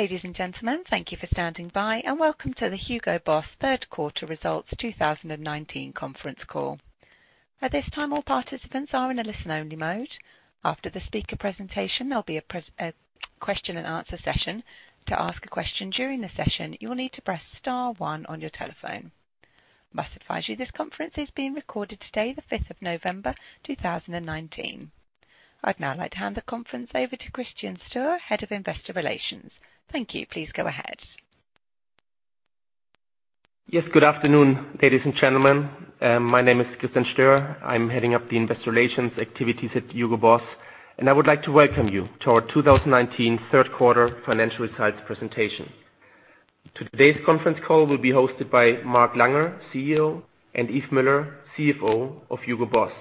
Ladies and gentlemen, thank you for standing by and welcome to the Hugo Boss third quarter results 2019 conference call. At this time, all participants are in a listen-only mode. After the speaker presentation, there'll be a question and answer session. To ask a question during the session, you will need to press star one on your telephone. I must advise you this conference is being recorded today, the 5th of November, 2019. I'd now like to hand the conference over to Christian Stöhr, Head of Investor Relations. Thank you. Please go ahead. Yes. Good afternoon, ladies and gentlemen. My name is Christian Stöhr. I'm heading up the investor relations activities at Hugo Boss, and I would like to welcome you to our 2019 third quarter financial results presentation. Today's conference call will be hosted by Mark Langer, CEO, and Yves Müller, CFO of Hugo Boss.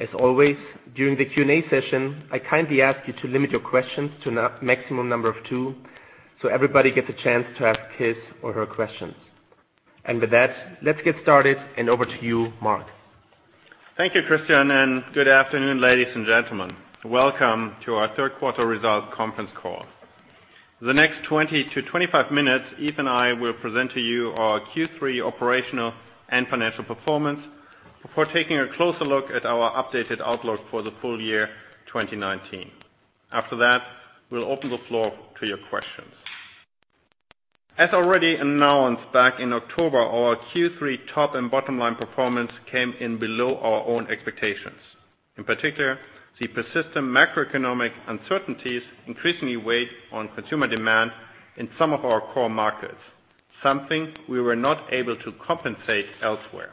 As always, during the Q&A session, I kindly ask you to limit your questions to a maximum number of two so everybody gets a chance to ask his or her questions. With that, let's get started and over to you, Mark. Thank you, Christian, and good afternoon, ladies and gentlemen. Welcome to our third quarter results conference call. The next 20-25 minutes, Yves and I will present to you our Q3 operational and financial performance before taking a closer look at our updated outlook for the full year 2019. After that, we'll open the floor to your questions. As already announced back in October, our Q3 top and bottom line performance came in below our own expectations. In particular, the persistent macroeconomic uncertainties increasingly weighed on consumer demand in some of our core markets, something we were not able to compensate elsewhere.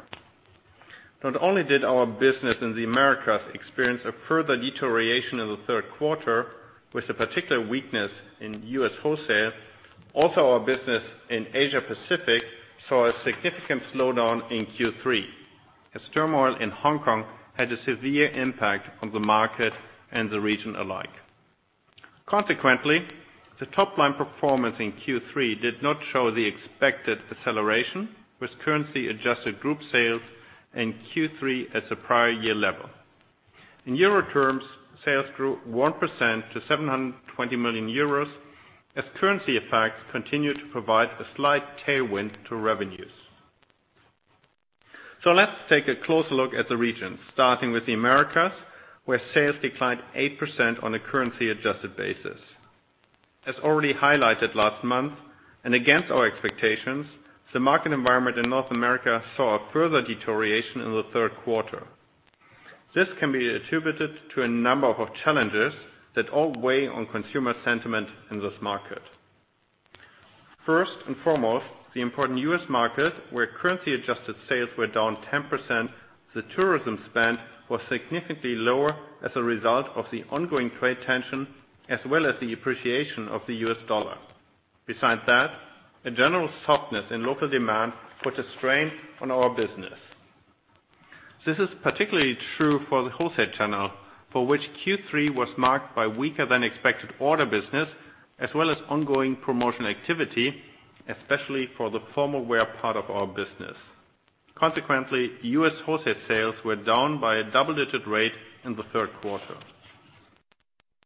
Not only did our business in the Americas experience a further deterioration in the third quarter with a particular weakness in U.S. wholesale, also our business in Asia Pacific saw a significant slowdown in Q3 as turmoil in Hong Kong had a severe impact on the market and the region alike. Consequently, the top-line performance in Q3 did not show the expected acceleration with currency-adjusted group sales in Q3 at the prior year level. In EUR terms, sales grew 1% to 720 million euros as currency effects continued to provide a slight tailwind to revenues. Let's take a closer look at the regions, starting with the Americas, where sales declined 8% on a currency-adjusted basis. As already highlighted last month, and against our expectations, the market environment in North America saw a further deterioration in the third quarter. This can be attributed to a number of challenges that all weigh on consumer sentiment in this market. First and foremost, the important U.S. market where currency-adjusted sales were down 10%, the tourism spend was significantly lower as a result of the ongoing trade tension as well as the appreciation of the U.S. dollar. Besides that, a general softness in local demand put a strain on our business. This is particularly true for the wholesale channel, for which Q3 was marked by weaker than expected order business as well as ongoing promotion activity, especially for the formal wear part of our business. Consequently, U.S. wholesale sales were down by a double-digit rate in the third quarter.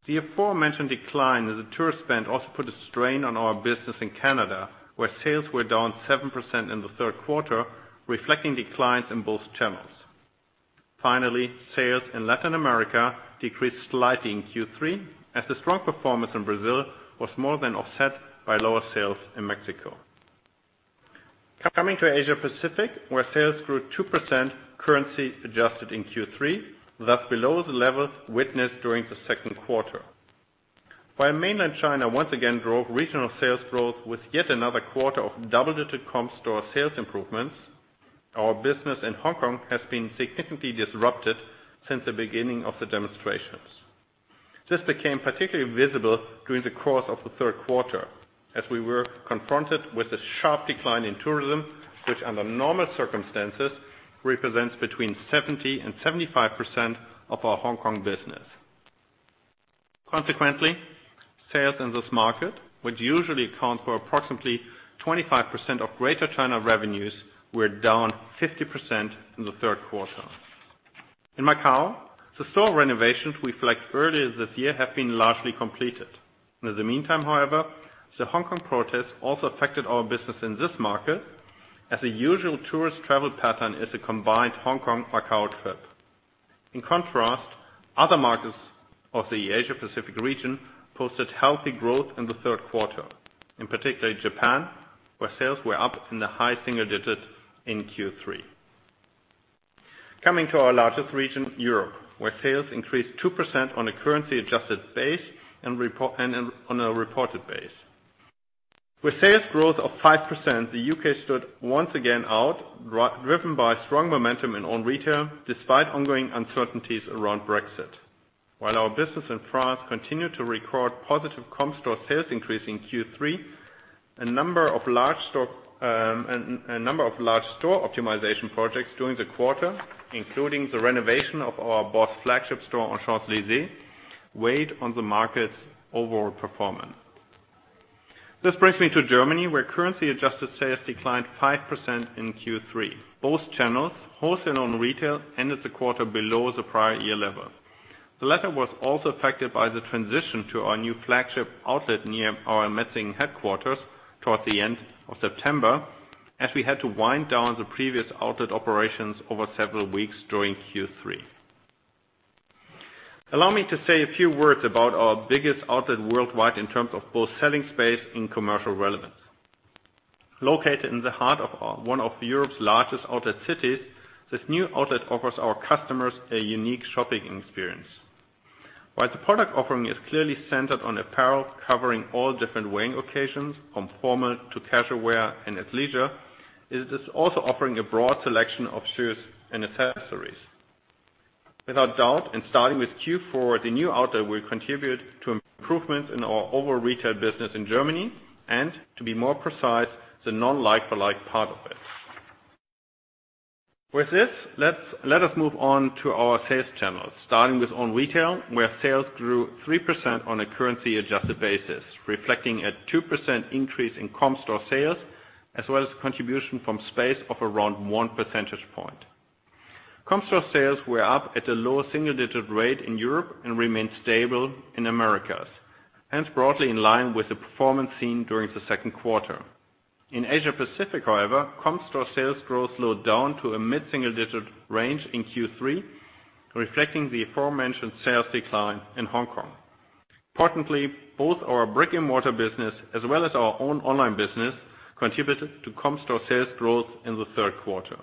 The aforementioned decline in the tourist spend also put a strain on our business in Canada, where sales were down 7% in the third quarter, reflecting declines in both channels. Finally, sales in Latin America decreased slightly in Q3 as the strong performance in Brazil was more than offset by lower sales in Mexico. Coming to Asia Pacific, where sales grew 2% currency adjusted in Q3, thus below the levels witnessed during the second quarter. While mainland China once again drove regional sales growth with yet another quarter of double-digit Comparable store sales improvements, our business in Hong Kong has been significantly disrupted since the beginning of the demonstrations. This became particularly visible during the course of the third quarter as we were confronted with a sharp decline in tourism, which under normal circumstances represents between 70% and 75% of our Hong Kong business. Consequently, sales in this market, which usually account for approximately 25% of Greater China revenues, were down 50% in the third quarter. In Macau, the store renovations we flagged earlier this year have been largely completed. In the meantime, however, the Hong Kong protests also affected our business in this market as the usual tourist travel pattern is a combined Hong Kong-Macau trip. In contrast, other markets of the Asia Pacific region posted healthy growth in the third quarter. In particular, Japan, where sales were up in the high single digits in Q3. Coming to our largest region, Europe, where sales increased 2% on a currency-adjusted base and on a reported base. With sales growth of 5%, the U.K. stood once again out, driven by strong momentum in own retail despite ongoing uncertainties around Brexit. While our business in France continued to record positive Comparable store sales increase in Q3, a number of large store optimization projects during the quarter, including the renovation of our BOSS flagship store on Champs-Élysées, weighed on the market's overall performance. This brings me to Germany, where currency-adjusted sales declined 5% in Q3. Both channels, wholesale and retail, ended the quarter below the prior year level. The latter was also affected by the transition to our new flagship outlet near our Metzingen headquarters towards the end of September, as we had to wind down the previous outlet operations over several weeks during Q3. Allow me to say a few words about our biggest outlet worldwide in terms of both selling space and commercial relevance. Located in the heart of one of Europe's largest outlet cities, this new outlet offers our customers a unique shopping experience. While the product offering is clearly centered on apparel covering all different wearing occasions, from formal to casual wear and athleisure, it is also offering a broad selection of shoes and accessories. Without a doubt, starting with Q4, the new outlet will contribute to improvements in our overall retail business in Germany and, to be more precise, the non-like-for-like part of it. With this, let us move on to our sales channels, starting with own retail, where sales grew 3% on a currency adjusted basis, reflecting a 2% increase in Comparable store sales, as well as contribution from space of around one percentage point. Comp store sales were up at a low single-digit rate in Europe and remained stable in Americas, hence broadly in line with the performance seen during the second quarter. In Asia Pacific, however, Comparable store sales growth slowed down to a mid-single digit range in Q3, reflecting the aforementioned sales decline in Hong Kong. Importantly, both our brick-and-mortar business as well as our own online business contributed to Comparable store sales growth in the third quarter.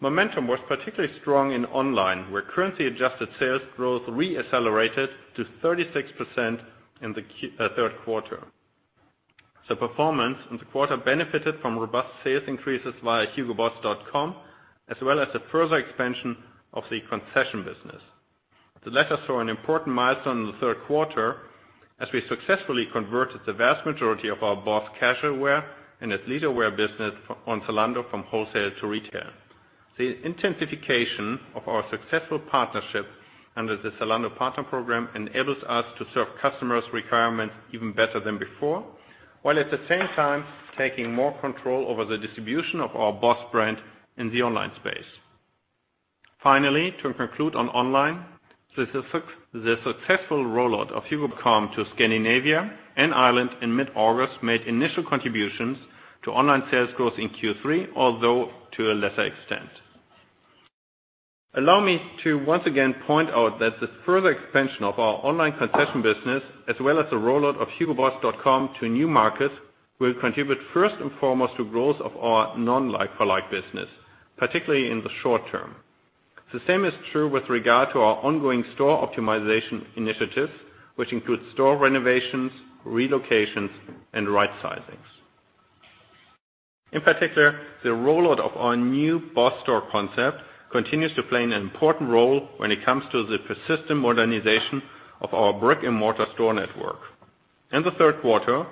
Momentum was particularly strong in online, where currency adjusted sales growth re-accelerated to 36% in the third quarter. The performance in the quarter benefited from robust sales increases via hugoboss.com, as well as the further expansion of the concession business. The latter saw an important milestone in the third quarter, as we successfully converted the vast majority of our BOSS casual wear and athleisure wear business on Zalando from wholesale to retail. The intensification of our successful partnership under the Zalando Partner Program enables us to serve customers' requirements even better than before, while at the same time taking more control over the distribution of our BOSS brand in the online space. Finally, to conclude on online, the successful rollout of hugoboss.com to Scandinavia and Ireland in mid-August made initial contributions to online sales growth in Q3, although to a lesser extent. Allow me to once again point out that the further expansion of our online concession business, as well as the rollout of hugoboss.com to new markets, will contribute first and foremost to growth of our non-like-for-like business, particularly in the short term. The same is true with regard to our ongoing store optimization initiatives, which include store renovations, relocations, and right-sizings. In particular, the rollout of our new BOSS store concept continues to play an important role when it comes to the persistent modernization of our brick-and-mortar store network. In the third quarter,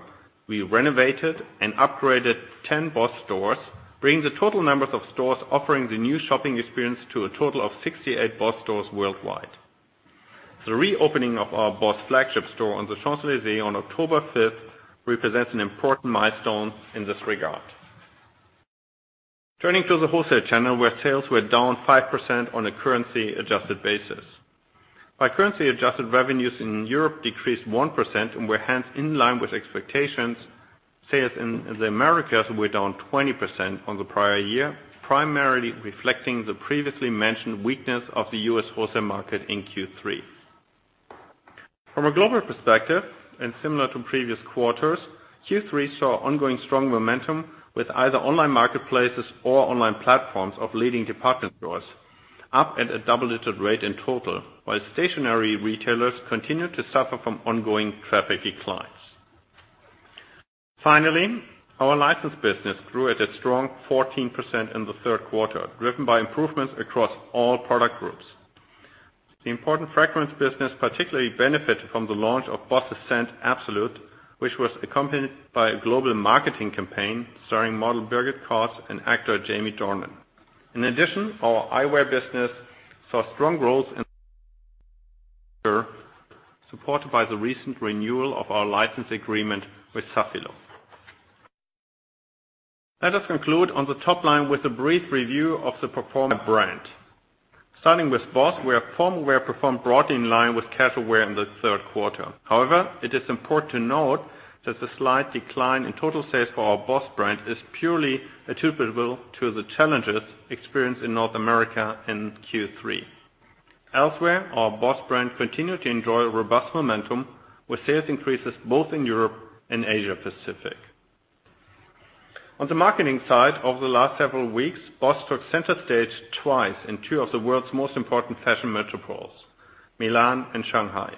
we renovated and upgraded 10 BOSS stores, bringing the total numbers of stores offering the new shopping experience to a total of 68 BOSS stores worldwide. The reopening of our BOSS flagship store on the Champs-Élysées on October 5th represents an important milestone in this regard. Turning to the wholesale channel, where sales were down 5% on a currency adjusted basis. While currency adjusted revenues in Europe decreased 1% and were hence in line with expectations, sales in the Americas were down 20% on the prior year, primarily reflecting the previously mentioned weakness of the U.S. wholesale market in Q3. From a global perspective, and similar to previous quarters, Q3 saw ongoing strong momentum with either online marketplaces or online platforms of leading department stores up at a double-digit rate in total, while stationary retailers continued to suffer from ongoing traffic declines. Finally, our license business grew at a strong 14% in the third quarter, driven by improvements across all product groups. The important fragrance business particularly benefited from the launch of Boss The Scent Absolute, which was accompanied by a global marketing campaign starring model Birgit Kos and actor Jamie Dornan. In addition, our eyewear business saw strong growth in supported by the recent renewal of our license agreement with Safilo. Let us conclude on the top line with a brief review of the performer brand. Starting with Boss, where formal wear performed broadly in line with casual wear in the third quarter. It is important to note that the slight decline in total sales for our Boss brand is purely attributable to the challenges experienced in North America in Q3. Elsewhere, our Boss brand continued to enjoy robust momentum with sales increases both in Europe and Asia Pacific. On the marketing side, over the last several weeks, Boss took center stage twice in two of the world's most important fashion metropoles, Milan and Shanghai.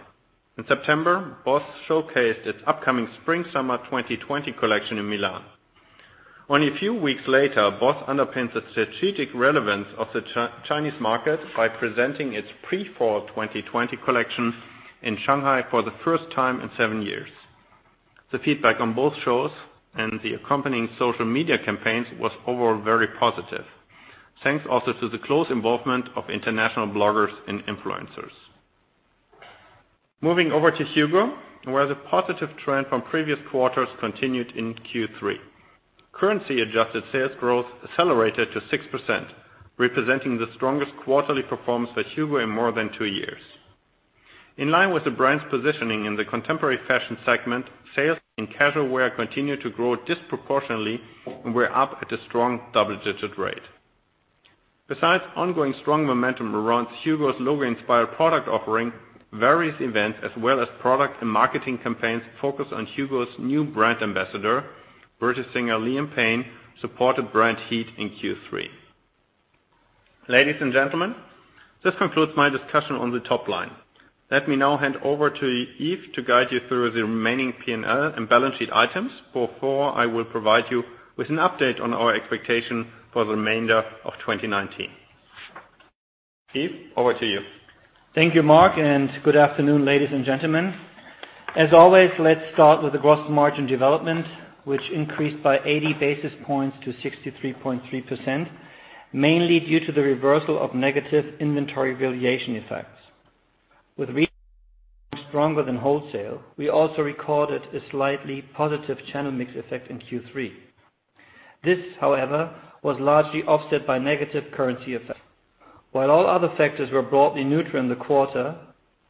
In September, Boss showcased its upcoming spring/summer 2020 collection in Milan. Only a few weeks later, BOSS underpinned the strategic relevance of the Chinese market by presenting its pre-fall 2020 collection in Shanghai for the first time in seven years. The feedback on both shows and the accompanying social media campaigns was overall very positive. Thanks also to the close involvement of international bloggers and influencers. Moving over to HUGO, where the positive trend from previous quarters continued in Q3. Currency-adjusted sales growth accelerated to 6%, representing the strongest quarterly performance for HUGO in more than two years. In line with the brand's positioning in the contemporary fashion segment, sales in casual wear continued to grow disproportionately, and were up at a strong double-digit rate. Besides ongoing strong momentum around HUGO's logo-inspired product offering, various events as well as product and marketing campaigns focused on HUGO's new brand ambassador, British singer Liam Payne, supported brand heat in Q3. Ladies and gentlemen, this concludes my discussion on the top line. Let me now hand over to Yves to guide you through the remaining P&L and balance sheet items, before I will provide you with an update on our expectation for the remainder of 2019. Yves, over to you. Thank you, Mark. Good afternoon, ladies and gentlemen. As always, let's start with the gross margin development, which increased by 80 basis points to 63.3%, mainly due to the reversal of negative inventory valuation effects. With retail stronger than wholesale, we also recorded a slightly positive channel mix effect in Q3. This, however, was largely offset by negative currency effects. While all other factors were broadly neutral in the quarter,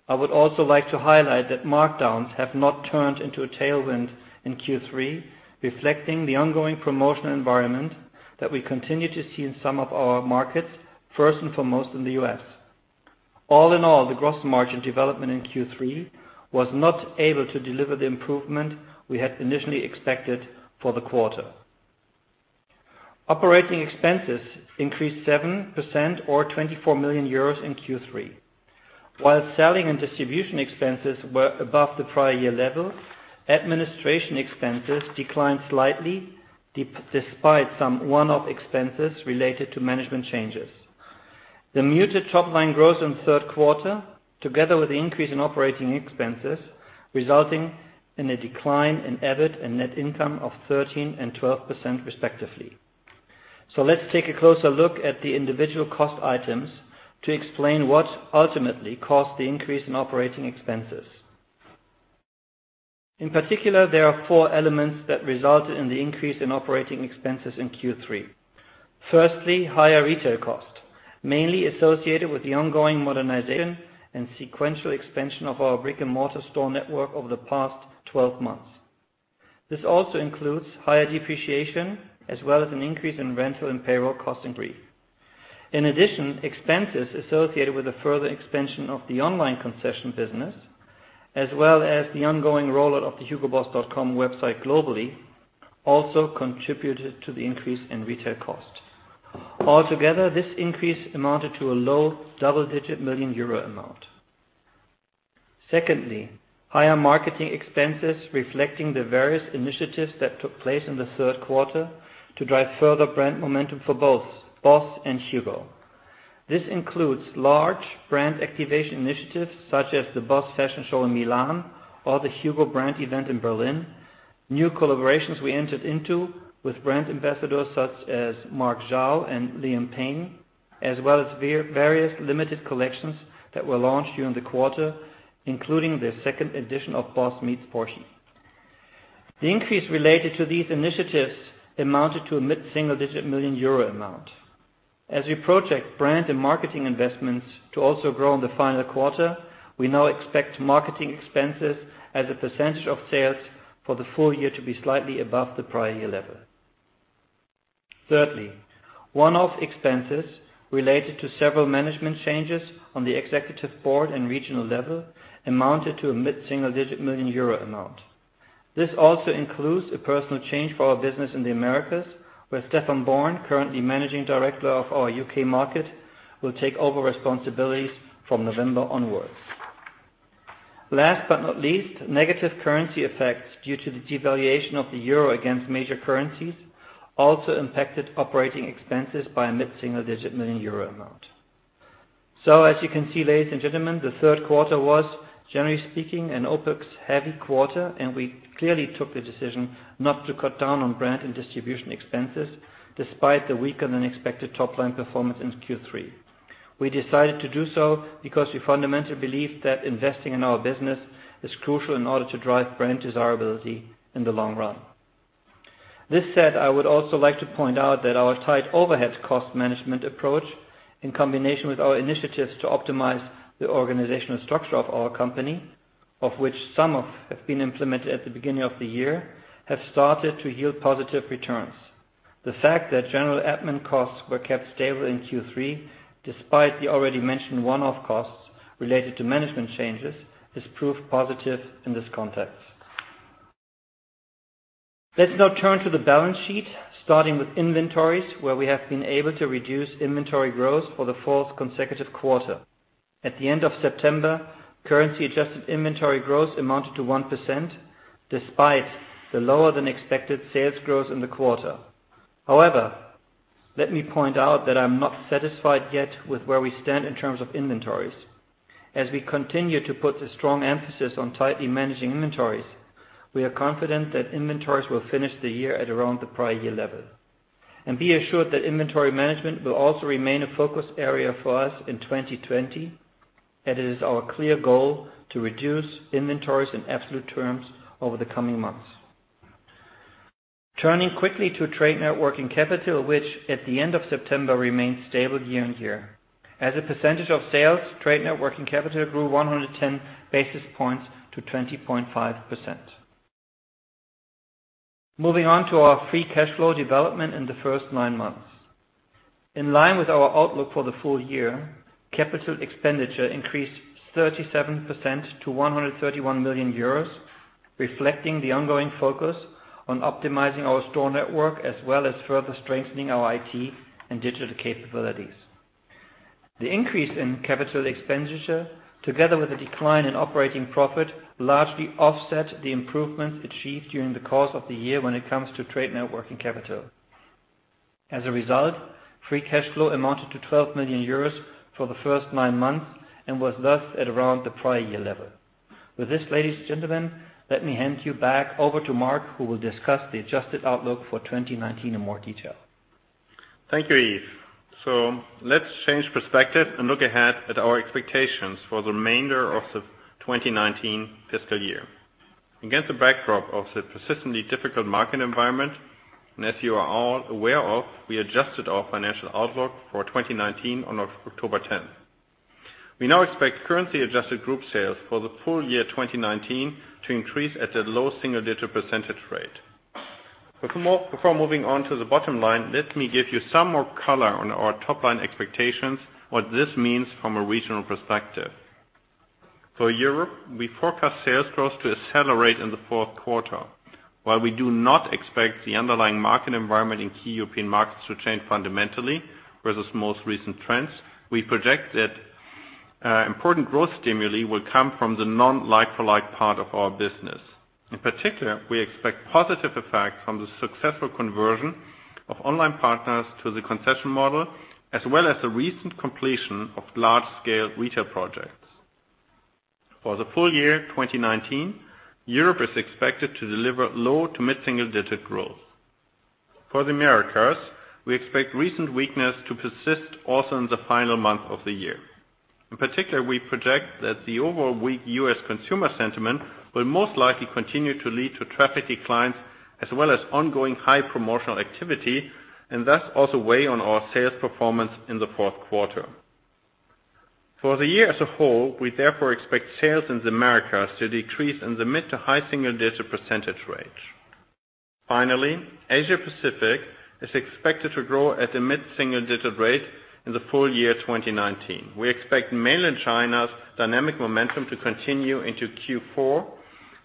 I would also like to highlight that markdowns have not turned into a tailwind in Q3, reflecting the ongoing promotional environment that we continue to see in some of our markets, first and foremost in the U.S. All in all, the gross margin development in Q3 was not able to deliver the improvement we had initially expected for the quarter. Operating expenses increased 7% or 24 million euros in Q3. While selling and distribution expenses were above the prior year level, administration expenses declined slightly, despite some one-off expenses related to management changes. The muted top-line growth in the third quarter, together with the increase in operating expenses, resulting in a decline in EBIT and net income of 13% and 12%, respectively. Let's take a closer look at the individual cost items to explain what ultimately caused the increase in operating expenses. In particular, there are four elements that resulted in the increase in operating expenses in Q3. Firstly, higher retail costs, mainly associated with the ongoing modernization and sequential expansion of our brick-and-mortar store network over the past 12 months. This also includes higher depreciation as well as an increase in rental and payroll costs in brief. In addition, expenses associated with a further expansion of the online concession business, as well as the ongoing rollout of the hugoboss.com website globally, also contributed to the increase in retail costs. Altogether, this increase amounted to a low double-digit million EUR amount. Secondly, higher marketing expenses reflecting the various initiatives that took place in the third quarter to drive further brand momentum for both BOSS and HUGO. This includes large brand activation initiatives such as the BOSS fashion show in Milan or the HUGO brand event in Berlin, new collaborations we entered into with brand ambassadors such as Mark Chao and Liam Payne, as well as various limited collections that were launched during the quarter, including the second edition of Porsche x BOSS. The increase related to these initiatives amounted to a mid-single-digit million EUR amount. As we project brand and marketing investments to also grow in the final quarter, we now expect marketing expenses as a percentage of sales for the full year to be slightly above the prior year level. Thirdly, one-off expenses related to several management changes on the executive board and regional level amounted to a mid-single-digit million EUR amount. This also includes a personal change for our business in the Americas, where Stephan Born, currently managing director of our U.K. market, will take over responsibilities from November onwards. Last but not least, negative currency effects due to the devaluation of the euro against major currencies also impacted operating expenses by a mid-single-digit million EUR amount. As you can see, ladies and gentlemen, the third quarter was, generally speaking, an OpEx-heavy quarter, and we clearly took the decision not to cut down on brand and distribution expenses, despite the weaker-than-expected top-line performance in Q3. We decided to do so because we fundamentally believe that investing in our business is crucial in order to drive brand desirability in the long run. This said, I would also like to point out that our tight overhead cost management approach, in combination with our initiatives to optimize the organizational structure of our company, of which some have been implemented at the beginning of the year, have started to yield positive returns. The fact that general admin costs were kept stable in Q3, despite the already mentioned one-off costs related to management changes, is proof positive in this context. Let's now turn to the balance sheet, starting with inventories, where we have been able to reduce inventory growth for the fourth consecutive quarter. At the end of September, currency-adjusted inventory growth amounted to 1%, despite the lower-than-expected sales growth in the quarter. However, let me point out that I am not satisfied yet with where we stand in terms of inventories. As we continue to put a strong emphasis on tightly managing inventories, we are confident that inventories will finish the year at around the prior year level. Be assured that inventory management will also remain a focus area for us in 2020, and it is our clear goal to reduce inventories in absolute terms over the coming months. Turning quickly to Trade net working capital, which at the end of September remained stable year-on-year. As a percentage of sales, trade net working capital grew 110 basis points to 20.5%. Moving on to our free cash flow development in the first nine months. In line with our outlook for the full year, capital expenditure increased 37% to 131 million euros, reflecting the ongoing focus on optimizing our store network as well as further strengthening our IT and digital capabilities. The increase in capital expenditure, together with a decline in operating profit, largely offset the improvements achieved during the course of the year when it comes to trade net working capital. As a result, free cash flow amounted to 12 million euros for the first nine months and was thus at around the prior year level. With this, ladies and gentlemen, let me hand you back over to Mark, who will discuss the adjusted outlook for 2019 in more detail. Thank you, Yves. Let's change perspective and look ahead at our expectations for the remainder of the 2019 fiscal year. Against the backdrop of the persistently difficult market environment, as you are all aware of, we adjusted our financial outlook for 2019 on October 10th. We now expect currency-adjusted group sales for the full year 2019 to increase at a low single-digit percentage rate. Before moving on to the bottom line, let me give you some more color on our top-line expectations, what this means from a regional perspective. For Europe, we forecast sales growth to accelerate in the fourth quarter. While we do not expect the underlying market environment in key European markets to change fundamentally versus most recent trends, we project that important growth stimuli will come from the non-like-for-like part of our business. In particular, we expect positive effects from the successful conversion of online partners to the concession model, as well as the recent completion of large-scale retail projects. For the full year 2019, Europe is expected to deliver low to mid-single digit growth. For the Americas, we expect recent weakness to persist also in the final month of the year. In particular, we project that the overall weak U.S. consumer sentiment will most likely continue to lead to traffic declines as well as ongoing high promotional activity, and thus also weigh on our sales performance in the fourth quarter. For the year as a whole, we therefore expect sales in the Americas to decrease in the mid to high single-digit percentage range. Finally, Asia-Pacific is expected to grow at a mid-single digit rate in the full year 2019. We expect Mainland China's dynamic momentum to continue into Q4,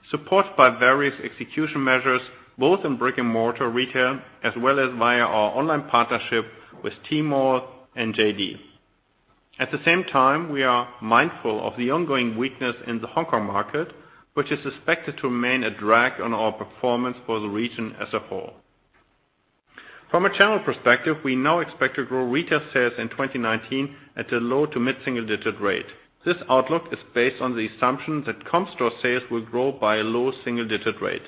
supported by various execution measures, both in brick-and-mortar retail as well as via our online partnership with Tmall and JD.com. At the same time, we are mindful of the ongoing weakness in the Hong Kong market, which is expected to remain a drag on our performance for the region as a whole. From a channel perspective, we now expect to grow retail sales in 2019 at a low to mid-single digit rate. This outlook is based on the assumption that Comparable store sales will grow by a low single-digit rate.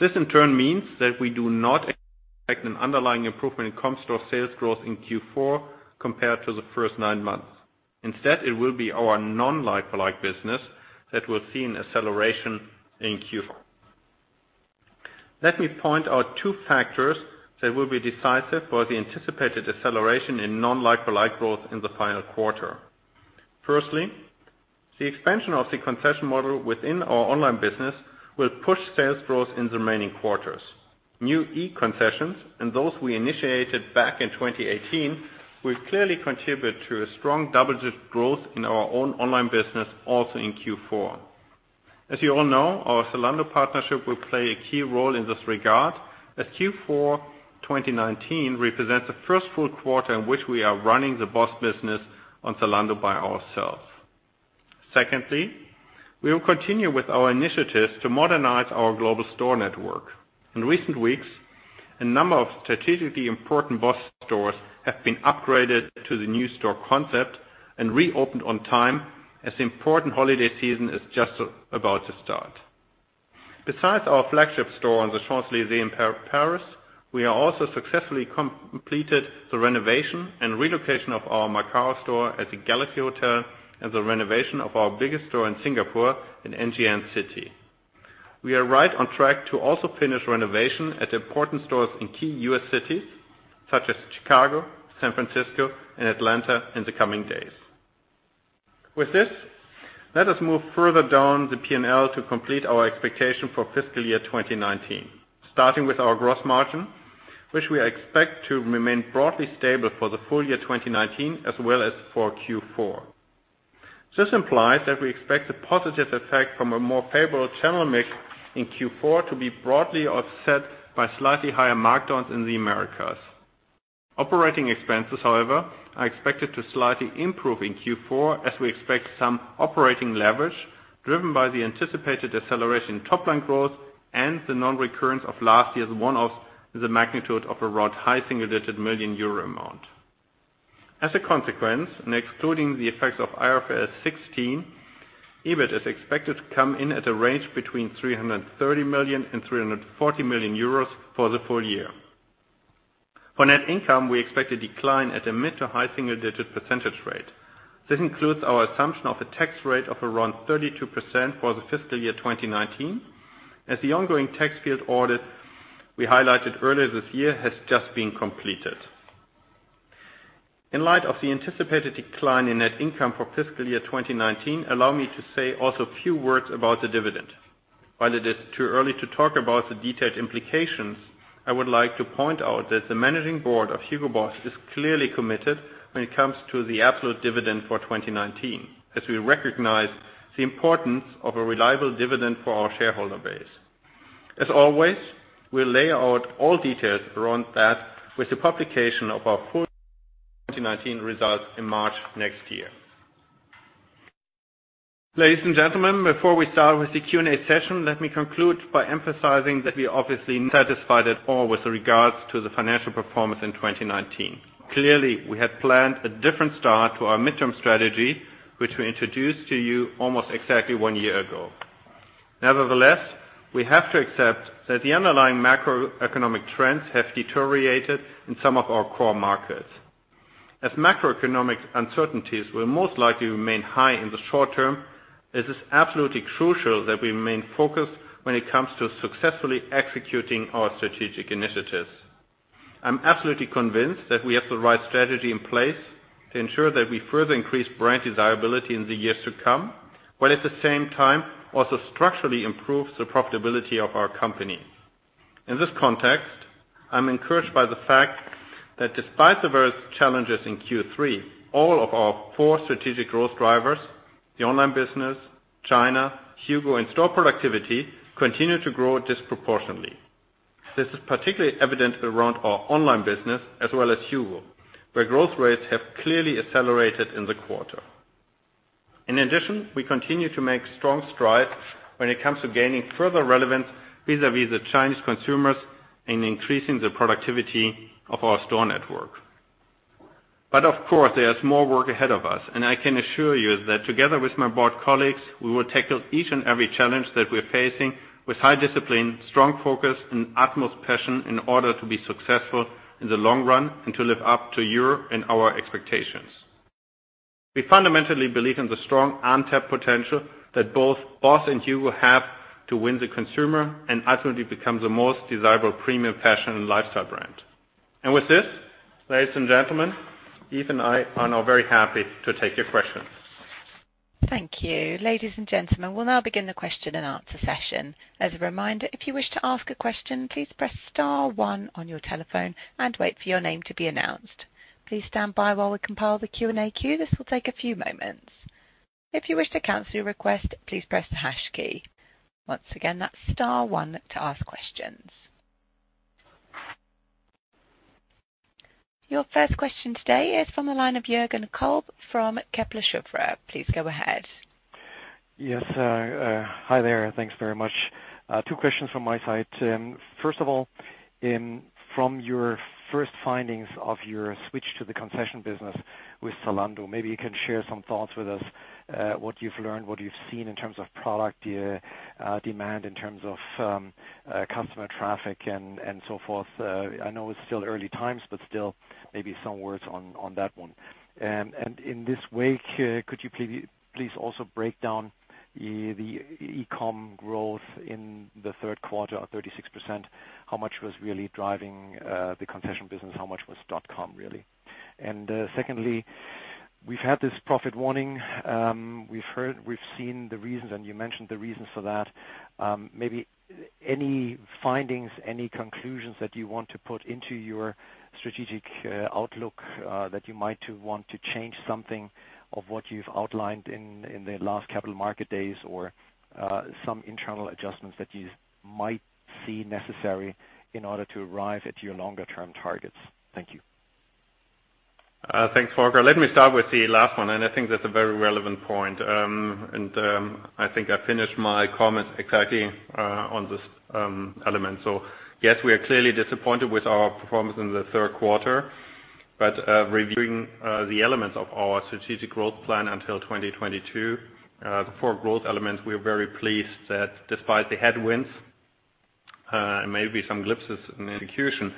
This in turn means that we do not expect an underlying improvement in Comparable store sales growth in Q4 compared to the first nine months. Instead, it will be our non-like-for-like business that will see an acceleration in Q4. Let me point out two factors that will be decisive for the anticipated acceleration in non-like-for-like growth in the final quarter. Firstly, the expansion of the concession model within our online business will push sales growth in the remaining quarters. New e-concessions and those we initiated back in 2018 will clearly contribute to a strong double-digit growth in our own online business also in Q4. As you all know, our Zalando partnership will play a key role in this regard, as Q4 2019 represents the first full quarter in which we are running the BOSS business on Zalando by ourselves. Secondly, we will continue with our initiatives to modernize our global store network. In recent weeks, a number of strategically important BOSS stores have been upgraded to the new store concept and reopened on time as the important holiday season is just about to start. Besides our flagship store on the Champs-Élysées in Paris, we have also successfully completed the renovation and relocation of our Macau store at the Galaxy Hotel and the renovation of our biggest store in Singapore in Ngee Ann City. We are right on track to also finish renovation at important stores in key U.S. cities such as Chicago, San Francisco, and Atlanta in the coming days. With this, let us move further down the P&L to complete our expectation for fiscal year 2019. Starting with our gross margin, which we expect to remain broadly stable for the full year 2019 as well as for Q4. This implies that we expect a positive effect from a more favorable channel mix in Q4 to be broadly offset by slightly higher markdowns in the Americas. Operating expenses, however, are expected to slightly improve in Q4 as we expect some operating leverage driven by the anticipated acceleration in top-line growth and the non-recurrence of last year's one-off in the magnitude of a high single-digit million EUR amount. As a consequence, and excluding the effects of IFRS 16, EBIT is expected to come in at a range between 330 million and 340 million euros for the full year. For net income, we expect a decline at a mid to high single-digit percentage rate. This includes our assumption of a tax rate of around 32% for the fiscal year 2019, as the ongoing tax field audit we highlighted earlier this year has just been completed. In light of the anticipated decline in net income for fiscal year 2019, allow me to say also a few words about the dividend. While it is too early to talk about the detailed implications, I would like to point out that the managing board of Hugo Boss is clearly committed when it comes to the absolute dividend for 2019, as we recognize the importance of a reliable dividend for our shareholder base. As always, we'll lay out all details around that with the publication of our full 2019 results in March next year. Ladies and gentlemen, before we start with the Q&A session, let me conclude by emphasizing that we are obviously not satisfied at all with regards to the financial performance in 2019. Clearly, we had planned a different start to our midterm strategy, which we introduced to you almost exactly one year ago. Nevertheless, we have to accept that the underlying macroeconomic trends have deteriorated in some of our core markets. As macroeconomic uncertainties will most likely remain high in the short term, it is absolutely crucial that we remain focused when it comes to successfully executing our strategic initiatives. I'm absolutely convinced that we have the right strategy in place to ensure that we further increase brand desirability in the years to come, while at the same time also structurally improve the profitability of our company. In this context, I'm encouraged by the fact that despite the various challenges in Q3, all of our four strategic growth drivers, the online business, China, HUGO, and store productivity, continue to grow disproportionately. This is particularly evident around our online business as well as HUGO, where growth rates have clearly accelerated in the quarter. In addition, we continue to make strong strides when it comes to gaining further relevance vis-a-vis the Chinese consumers in increasing the productivity of our store network. Of course, there is more work ahead of us, and I can assure you that together with my board colleagues, we will tackle each and every challenge that we're facing with high discipline, strong focus, and utmost passion in order to be successful in the long run and to live up to your and our expectations. We fundamentally believe in the strong untapped potential that both BOSS and HUGO have to win the consumer and ultimately become the most desirable premium fashion and lifestyle brand. With this, ladies and gentlemen, Yves and I are now very happy to take your questions. Thank you. Ladies and gentlemen, we'll now begin the question and answer session. As a reminder, if you wish to ask a question, please press star one on your telephone and wait for your name to be announced. Please stand by while we compile the Q&A queue. This will take a few moments. If you wish to cancel your request, please press the hash key. Once again, that's star one to ask questions. Your first question today is from the line of Jürgen Kolb from Kepler Cheuvreux. Please go ahead. Yes. Hi there. Thanks very much. Two questions from my side. First of all, from your first findings of your switch to the concession business with Zalando, maybe you can share some thoughts with us, what you've learned, what you've seen in terms of product demand, in terms of customer traffic and so forth. I know it's still early times, but still, maybe some words on that one. In this wake, could you please also break down the e-com growth in the third quarter of 36%? How much was really driving the concession business? How much was hugoboss.com, really? Secondly, we've had this profit warning. We've seen the reasons, and you mentioned the reasons for that. Maybe any findings, any conclusions that you want to put into your strategic outlook, that you might want to change something of what you've outlined in the last capital market days or some internal adjustments that you might see necessary in order to arrive at your longer-term targets. Thank you. Thanks, Jürgen. Let me start with the last one, and I think that's a very relevant point. I think I finished my comments exactly on this element. Yes, we are clearly disappointed with our performance in the third quarter. Reviewing the elements of our strategic growth plan until 2022, the four growth elements, we are very pleased that despite the headwinds and maybe some glimpses in execution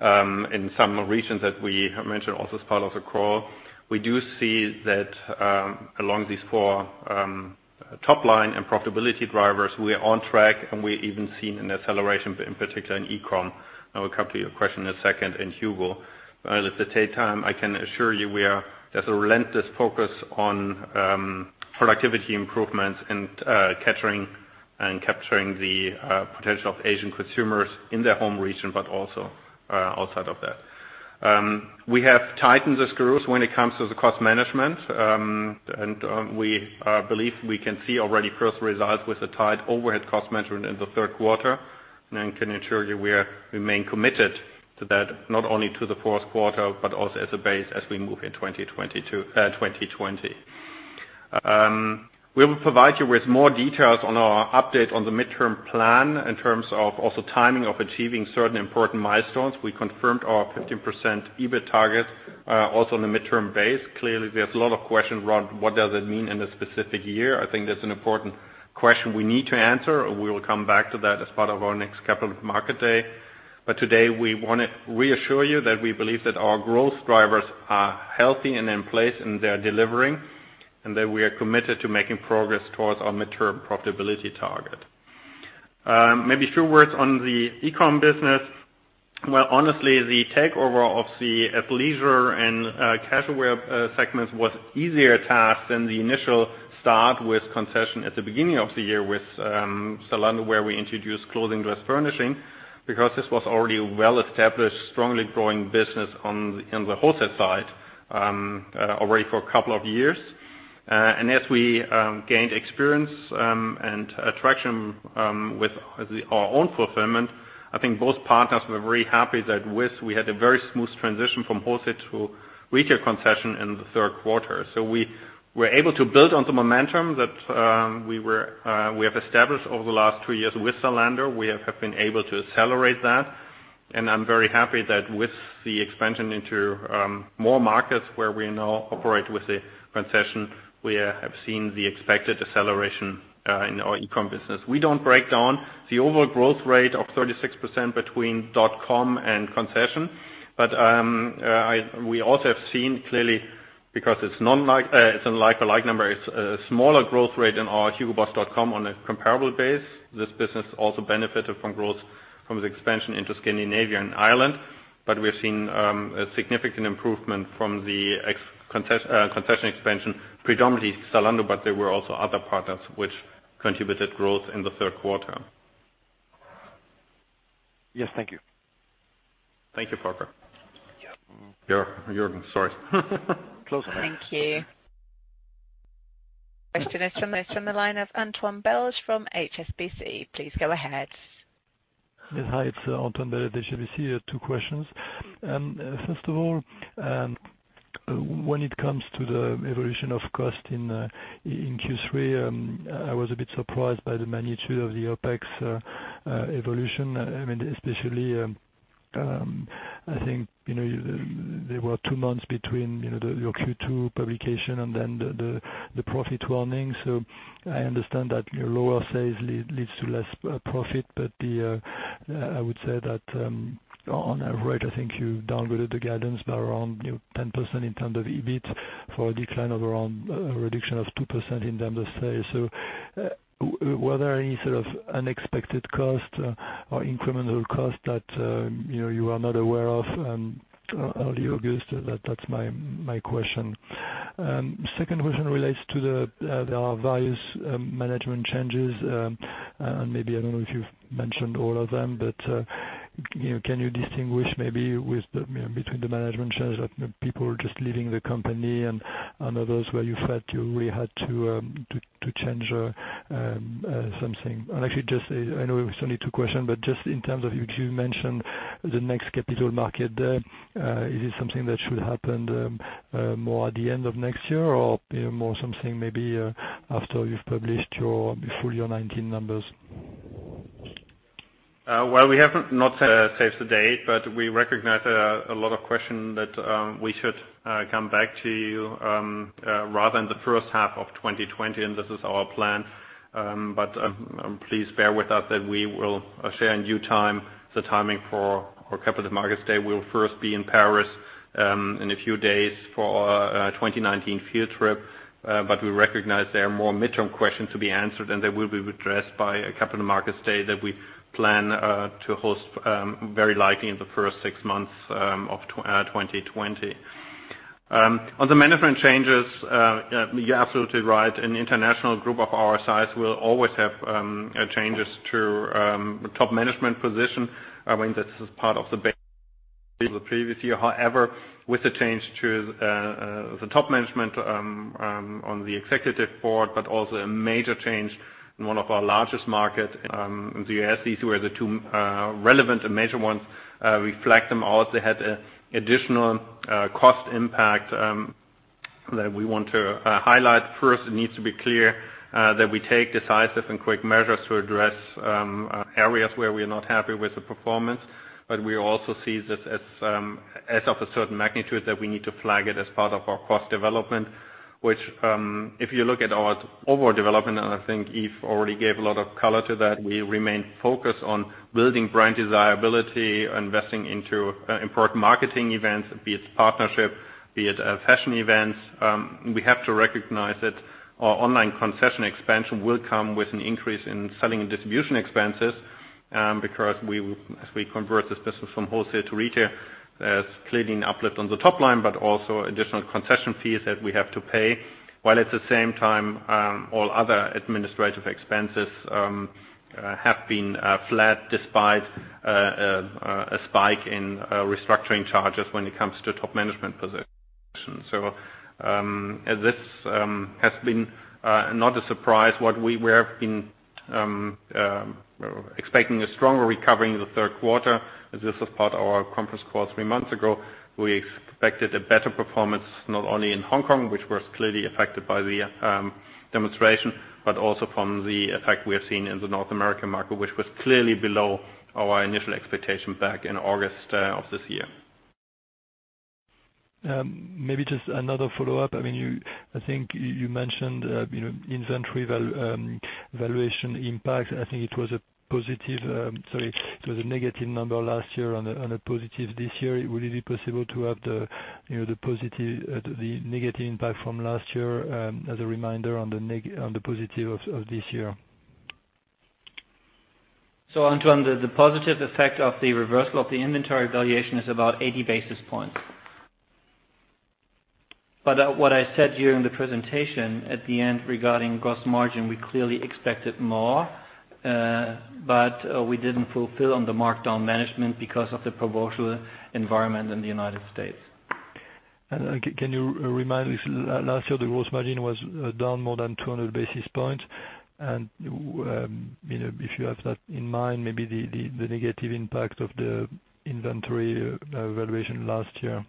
in some regions that we have mentioned also as part of the call, we do see that along these four top-line and profitability drivers, we are on track, and we even seen an acceleration, in particular in e-com, I will come to your question in a second, and HUGO. At the same time, I can assure you there's a relentless focus on productivity improvements and capturing the potential of Asian consumers in their home region, but also outside of that. We have tightened the screws when it comes to the cost management, and we believe we can see already first results with the tight overhead cost management in the third quarter. I can assure you we remain committed to that, not only to the fourth quarter, but also as a base as we move in 2020. We will provide you with more details on our update on the midterm plan in terms of also timing of achieving certain important milestones. We confirmed our 15% EBIT target, also on a midterm base. Clearly, we have a lot of questions around what does it mean in a specific year. I think that's an important question we need to answer. We will come back to that as part of our next Capital Markets Day. Today, we want to reassure you that we believe that our growth drivers are healthy and in place and they are delivering, and that we are committed to making progress towards our midterm profitability target. Maybe a few words on the e-com business. Well, honestly, the takeover of the athleisure and casual wear segments was easier task than the initial start with concession at the beginning of the year with Zalando, where we introduced clothing plus furnishing, because this was already a well-established, strongly growing business on the wholesale side already for a couple of years. And as we gained experience and attraction with our own fulfillment, I think both partners were very happy that we had a very smooth transition from wholesale to retail concession in the third quarter. We were able to build on the momentum that we have established over the last two years with Zalando. We have been able to accelerate that, and I'm very happy that with the expansion into more markets where we now operate with the concession, we have seen the expected acceleration in our e-com business. We don't break down the overall growth rate of 36% between .com and concession, but we also have seen clearly, because it's a like-for-like number, it's a smaller growth rate in our hugoboss.com on a comparable base. This business also benefited from growth from the expansion into Scandinavia and Ireland. We have seen a significant improvement from the concession expansion, predominantly Zalando, but there were also other partners which contributed growth in the third quarter. Yes. Thank you. Thank you, Parker. Jürgen. Jürgen. Sorry. Close enough. Thank you. Question is from the line of Antoine Belge from HSBC. Please go ahead. Yes. Hi, it's Antoine Belge at HSBC. Two questions. First of all, when it comes to the evolution of cost in Q3, I was a bit surprised by the magnitude of the OpEx evolution. Especially, I think there were two months between your Q2 publication and then the profit warning. I understand that lower sales leads to less profit. I would say that on average, I think you downgraded the guidance by around 10% in terms of EBIT for a decline of around a reduction of 2% in terms of sales. Were there any sort of unexpected cost or incremental cost that you were not aware of early August? That's my question. Second question relates to the various management changes. Maybe, I don't know if you've mentioned all of them, but can you distinguish maybe between the management changes, like people just leaving the company and others where you felt you really had to change something? Actually just, I know it's only two question, but just in terms of you mentioned the next Capital Market Day. Is it something that should happen more at the end of next year or more something maybe after you've published your full year 2019 numbers? We have not set a date, we recognize a lot of question that we should come back to you rather in the first half of 2020, and this is our plan. Please bear with us that we will share in due time the timing for our Capital Markets Day. We'll first be in Paris in a few days for our 2019 field trip. We recognize there are more midterm questions to be answered and they will be addressed by a Capital Markets Day that we plan to host very likely in the first six months of 2020. On the management changes, you're absolutely right. An international group of our size will always have changes to top management position. I mean, this is part of the previous year. With the change to the top management on the executive board, but also a major change in one of our largest market, the U.S. These were the two relevant and major ones. Reflect them all. They had additional cost impact that we want to highlight. First, it needs to be clear that we take decisive and quick measures to address areas where we are not happy with the performance. We also see this as of a certain magnitude that we need to flag it as part of our cost development. If you look at our overall development, and I think Yves already gave a lot of color to that, we remain focused on building brand desirability, investing into important marketing events, be it partnership, be it fashion events. We have to recognize that our online concession expansion will come with an increase in selling and distribution expenses. As we convert this business from wholesale to retail, there's clearly an uplift on the top line, but also additional concession fees that we have to pay, while at the same time, all other administrative expenses have been flat despite a spike in restructuring charges when it comes to top management positions. This has been not a surprise. We're expecting a stronger recovery in the third quarter. This was part of our conference call three months ago. We expected a better performance, not only in Hong Kong, which was clearly affected by the demonstration, but also from the effect we have seen in the North American market, which was clearly below our initial expectation back in August of this year. Maybe just another follow-up. I think you mentioned inventory valuation impact. I think it was a negative number last year and a positive this year. Would it be possible to have the negative impact from last year as a reminder on the positive of this year? Antoine, the positive effect of the reversal of the inventory valuation is about 80 basis points. What I said here in the presentation at the end regarding gross margin, we clearly expected more, but we didn't fulfill on the markdown management because of the promotional environment in the United States. Can you remind me, last year the gross margin was down more than 200 basis points and if you have that in mind, maybe the negative impact of the inventory valuation last year.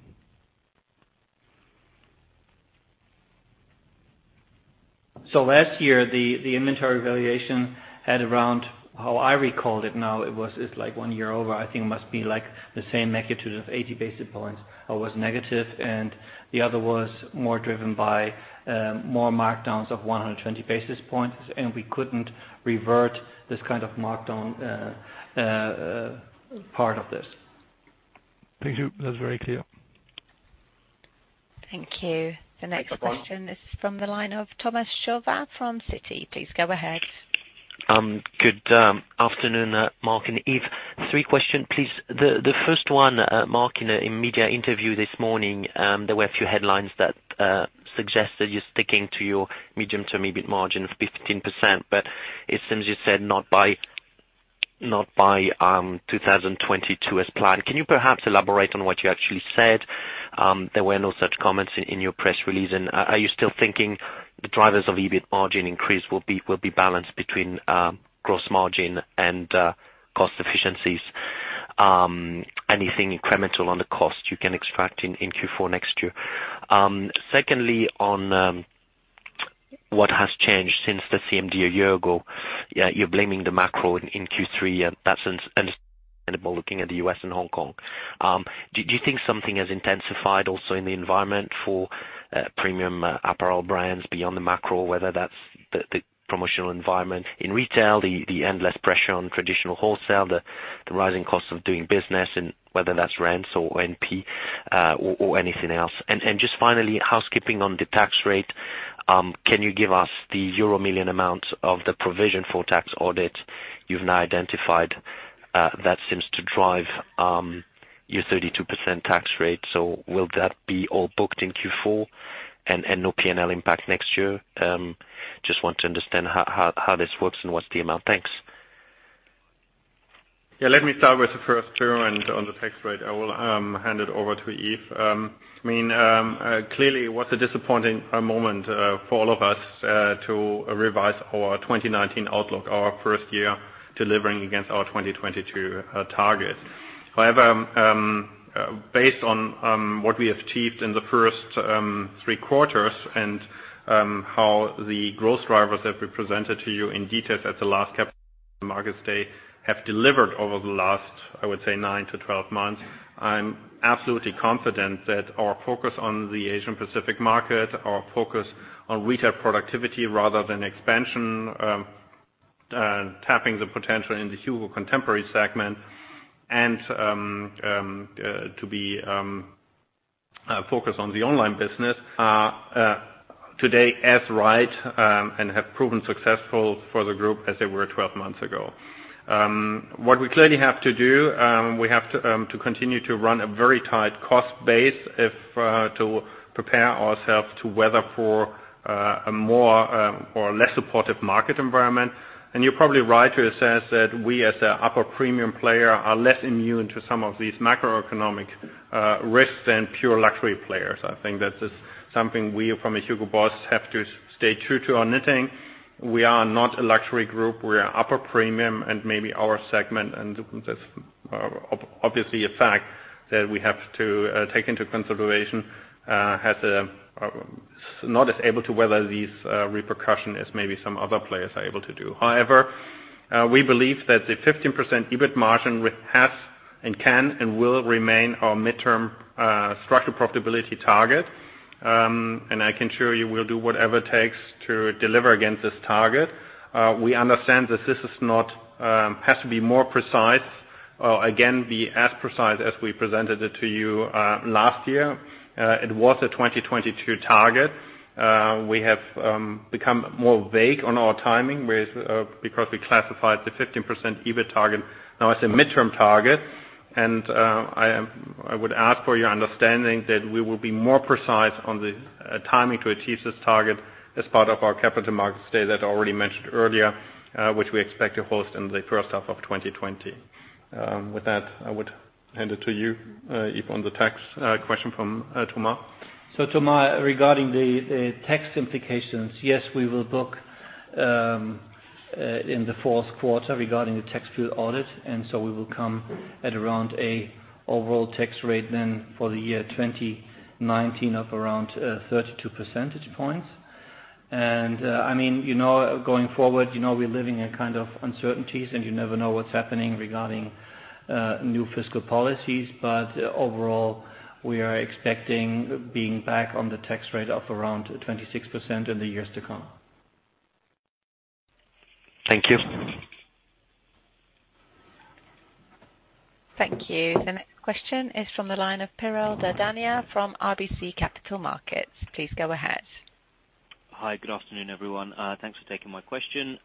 Last year, the inventory valuation had around, how I recall it now, it's like one year over, I think it must be like the same magnitude of 80 basis points. It was negative and the other was more driven by more markdowns of 120 basis points. We couldn't revert this kind of markdown part of this. Thank you. That's very clear. Thank you. The next question is from the line of Thomas Chauvet from Citi. Please go ahead. Good afternoon, Mark Langer and Yves Müller. Three question, please. The first one, Mark Langer, in a media interview this morning, there were a few headlines that suggested you're sticking to your medium-term EBIT margin of 15%, it seems you said not by 2022 as planned. Can you perhaps elaborate on what you actually said? There were no such comments in your press release. Are you still thinking the drivers of EBIT margin increase will be balanced between gross margin and cost efficiencies? Anything incremental on the cost you can extract in Q4 next year. Secondly, on what has changed since the CMD a year ago. You're blaming the macro in Q3, that's understandable looking at the U.S. and Hong Kong. Do you think something has intensified also in the environment for premium apparel brands beyond the macro, whether that's the promotional environment in retail, the endless pressure on traditional wholesale, the rising cost of doing business, whether that's rents or OpEx, or anything else. Just finally, housekeeping on the tax rate. Can you give us the euro million amount of the provision for tax audit you've now identified that seems to drive your 32% tax rate? Will that be all booked in Q4 and no P&L impact next year? Just want to understand how this works and what's the amount. Thanks. Let me start with the first two and on the tax rate, I will hand it over to Yves. It was a disappointing moment for all of us to revise our 2019 outlook, our first year delivering against our 2022 target. Based on what we achieved in the first three quarters and how the growth drivers that we presented to you in detail at the last Capital Markets Day have delivered over the last, I would say, nine to 12 months, I'm absolutely confident that our focus on the Asian Pacific market, our focus on retail productivity rather than expansion, tapping the potential in the HUGO contemporary segment, and to be focused on the online business are today as right and have proven successful for the group as they were 12 months ago. What we clearly have to do, we have to continue to run a very tight cost base to prepare ourselves to weather for a more or less supportive market environment. You're probably right to assess that we as a upper premium player are less immune to some of these macroeconomic risks than pure luxury players. I think that is something we from a Hugo Boss have to stay true to our knitting. We are not a luxury group, we are upper premium and maybe our segment, and that's obviously a fact that we have to take into consideration, has not as able to weather these repercussion as maybe some other players are able to do. However, we believe that the 15% EBIT margin has and can and will remain our midterm structured profitability target. I can assure you we'll do whatever it takes to deliver against this target. We understand that this has to be more precise. Again, be as precise as we presented it to you last year. It was a 2022 target. We have become more vague on our timing because we classified the 15% EBIT target now as a midterm target. I would ask for your understanding that we will be more precise on the timing to achieve this target as part of our Capital Markets Day that I already mentioned earlier, which we expect to host in the first half of 2020. With that, I would hand over to Yves. Hand it to you, Yves, on the tax question from Thomas. Thomas, regarding the tax implications, yes, we will book in the fourth quarter regarding the tax field audit. We will come at around a overall tax rate then for the year 2019 of around 32 percentage points. Going forward, we're living in uncertainties and you never know what's happening regarding new fiscal policies. Overall, we are expecting being back on the tax rate of around 26% in the years to come. Thank you. Thank you. The next question is from the line of Piral Dadhania from RBC Capital Markets. Please go ahead. Hi. Good afternoon, everyone. Thanks for taking my question.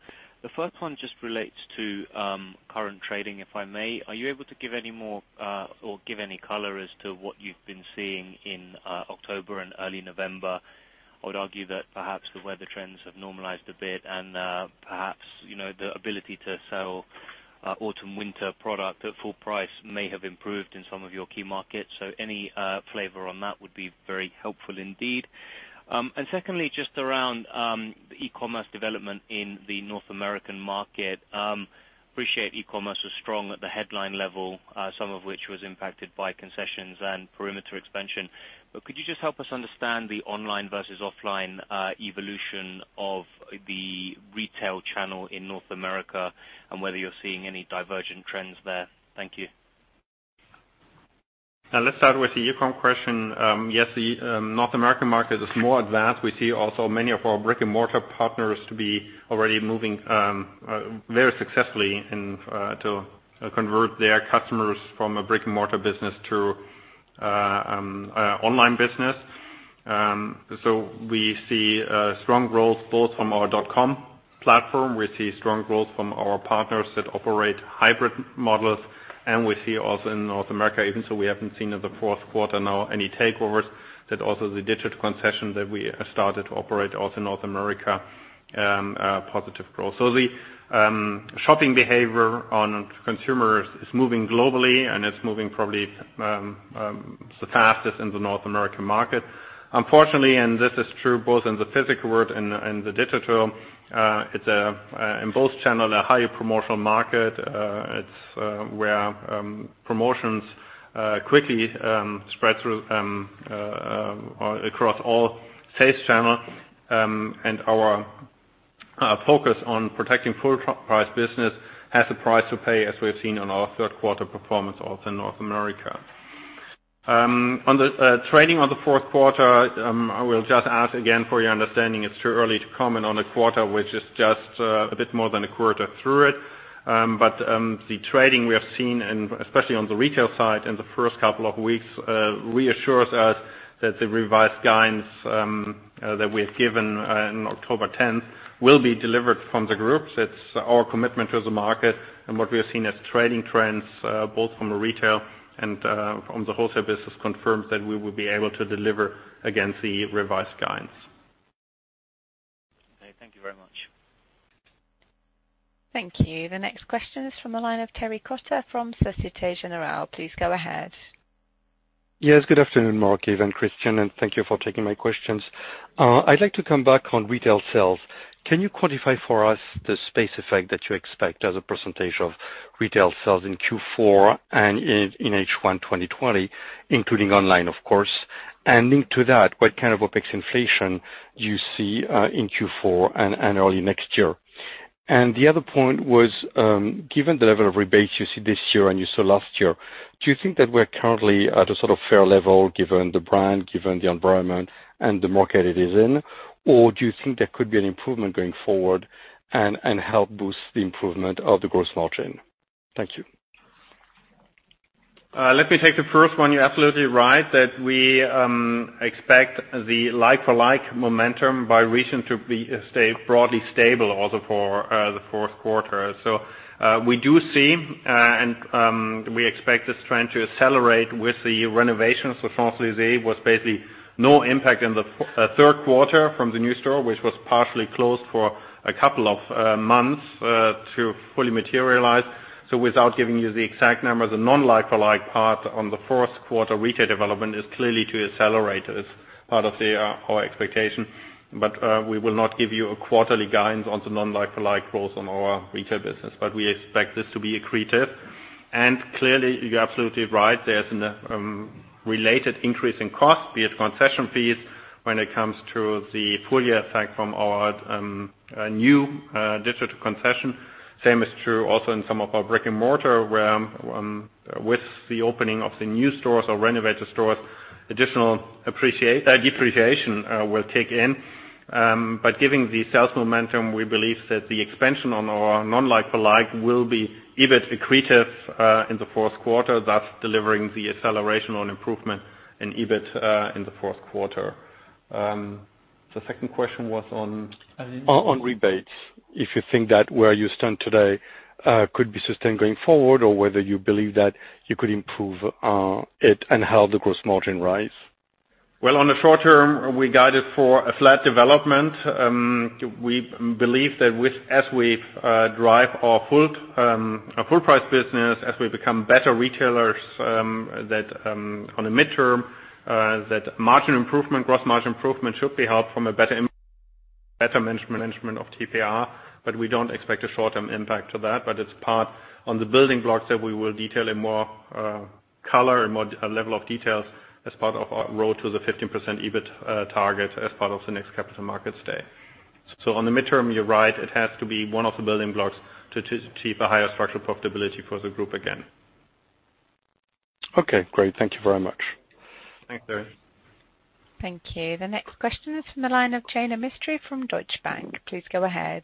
The first one just relates to current trading, if I may. Are you able to give any more, or give any color as to what you've been seeing in October and early November? I would argue that perhaps the weather trends have normalized a bit and perhaps, the ability to sell autumn/winter product at full price may have improved in some of your key markets. Any flavor on that would be very helpful indeed. Secondly, just around e-commerce development in the North American market. Appreciate e-commerce was strong at the headline level, some of which was impacted by concessions and perimeter expansion. Could you just help us understand the online versus offline evolution of the retail channel in North America, and whether you're seeing any divergent trends there? Thank you. Now, let's start with the e-com question. Yes, the North American market is more advanced. We see also many of our brick-and-mortar partners to be already moving very successfully to convert their customers from a brick-and-mortar business to online business. We see strong growth both from our .com platform. We see strong growth from our partners that operate hybrid models, and we see also in North America, even so we haven't seen in the fourth quarter now any takeovers, that also the digital concession that we started to operate also North America, positive growth. The shopping behavior on consumers is moving globally and it's moving probably the fastest in the North American market. Unfortunately, and this is true both in the physical world and the digital, in both channel, a high promotional market. It's where promotions quickly spread through across all sales channel. Our focus on protecting full price business has a price to pay, as we have seen on our third quarter performance also in North America. On the trading on the fourth quarter, I will just ask again for your understanding. It's too early to comment on a quarter which is just a bit more than a quarter through it. The trading we have seen and especially on the retail side in the first couple of weeks, reassures us that the revised guidance that we have given on October 10th will be delivered from the groups. It's our commitment to the market and what we have seen as trading trends, both from a retail and from the wholesale business confirms that we will be able to deliver against the revised guidance. Okay. Thank you very much. Thank you. The next question is from the line of Thierry Cota from Société Générale. Please go ahead. Yes. Good afternoon, Mark, Yves and Christian, thank you for taking my questions. I'd like to come back on retail sales. Can you quantify for us the space effect that you expect as a percentage of retail sales in Q4 and in H1 2020, including online, of course? Linked to that, what kind of OpEx inflation do you see in Q4 and early next year? The other point was, given the level of rebates you see this year and you saw last year, do you think that we're currently at a fair level given the brand, given the environment and the market it is in, or do you think there could be an improvement going forward and help boost the improvement of the gross margin? Thank you. Let me take the first one. You're absolutely right that we expect the like-for-like momentum by region to stay broadly stable also for the fourth quarter. We do see, and we expect this trend to accelerate with the renovations. Champs-Élysées was basically no impact in the third quarter from the new store, which was partially closed for a couple of months, to fully materialize. Without giving you the exact numbers, the non-like-for-like part on the fourth quarter retail development is clearly to accelerate as part of our expectation. We will not give you a quarterly guidance on the non-like-for-like growth on our retail business. We expect this to be accretive. Clearly, you're absolutely right. There's a related increase in cost, be it concession fees when it comes to the full year effect from our new digital concession. Same is true also in some of our brick-and-mortar, where with the opening of the new stores or renovated stores, additional depreciation will take in. Given the sales momentum, we believe that the expansion on our non-like-for-like will be EBIT accretive, in the fourth quarter, thus delivering the acceleration on improvement in EBIT, in the fourth quarter. The second question was on? On rebates, if you think that where you stand today could be sustained going forward or whether you believe that you could improve it and help the gross margin rise. Well, on the short term, we guided for a flat development. We believe that as we drive our full price business, as we become better retailers, that on the mid-term, that margin improvement, gross margin improvement should be helped from a better management of TPR, but we don't expect a short-term impact to that. It's part on the building blocks that we will detail in more color and more level of details as part of our road to the 15% EBIT target as part of the next Capital Markets Day. On the mid-term, you're right, it has to be one of the building blocks to achieve a higher structural profitability for the group again. Okay, great. Thank you very much. Thanks, Thierry. Thank you. The next question is from the line of Jaina Mistry from Deutsche Bank. Please go ahead.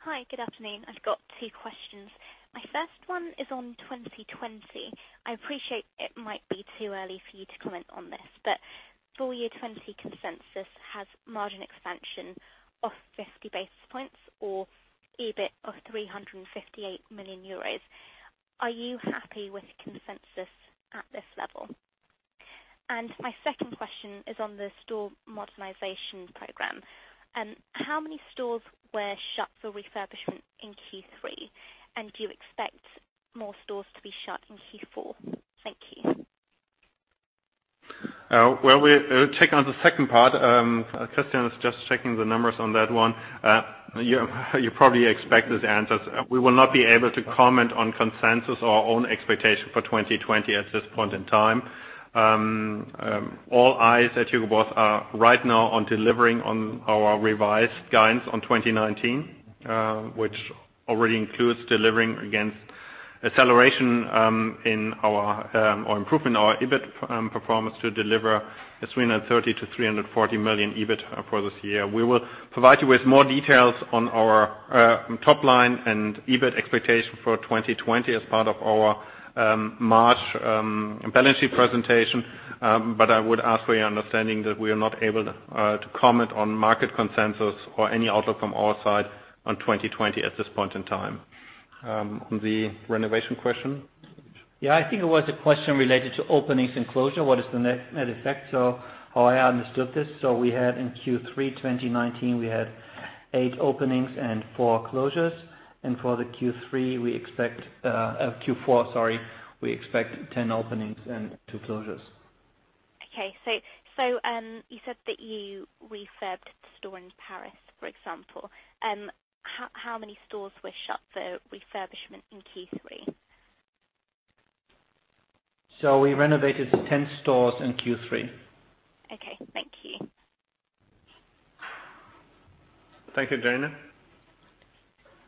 Hi, good afternoon. I've got two questions. My first one is on 2020. I appreciate it might be too early for you to comment on this, but full year 2020 consensus has margin expansion of 50 basis points or EBIT of 358 million euros. Are you happy with the consensus at this level? My second question is on the store modernization program. How many stores were shut for refurbishment in Q3? Do you expect more stores to be shut in Q4? Thank you. We take on the second part. Christian is just checking the numbers on that one. You probably expect these answers. We will not be able to comment on consensus or own expectation for 2020 at this point in time. All eyes at Hugo Boss are right now on delivering on our revised guidance on 2019, which already includes delivering against acceleration or improvement in our EBIT performance to deliver between 330 million-340 million EBIT for this year. We will provide you with more details on our top line and EBIT expectation for 2020 as part of our March balance sheet presentation. I would ask for your understanding that we are not able to comment on market consensus or any outlook from our side on 2020 at this point in time. On the renovation question? Yeah, I think it was a question related to openings and closure, what is the net effect? How I understood this, we had in Q3 2019, we had eight openings and four closures. For the Q3 we expect Q4, sorry, we expect 10 openings and two closures. Okay. You said that you refurbed the store in Paris, for example. How many stores were shut for refurbishment in Q3? We renovated 10 stores in Q3. Okay. Thank you. Thank you, Jaina.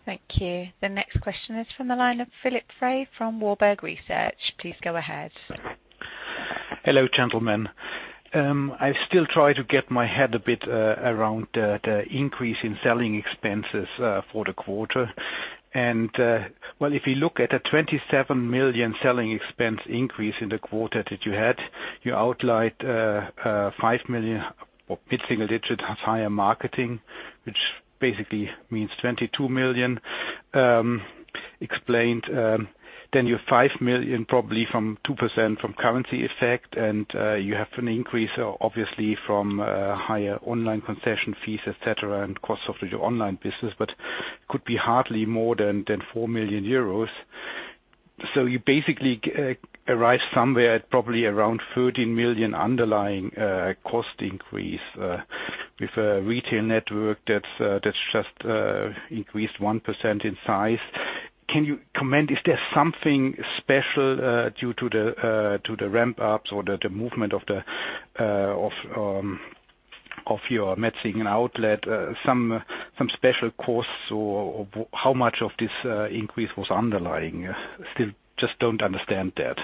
Thank you. The next question is from the line of Philipp Frey from Warburg Research. Please go ahead. Hello, gentlemen. I still try to get my head a bit around the increase in selling expenses for the quarter. Well, if you look at a 27 million selling expense increase in the quarter that you had, you outlined a 5 million or mid-single digit higher marketing, which basically means 22 million explained. Your 5 million probably from 2% from currency effect, and you have an increase obviously from higher online concession fees, et cetera, and cost of your online business, but could be hardly more than 4 million euros. You basically arrive somewhere at probably around 13 million underlying cost increase with a retail network that's just increased 1% in size. Can you comment, is there something special due to the ramp ups or the movement of your Metzingen outlet, some special costs or how much of this increase was underlying? Still just don't understand that.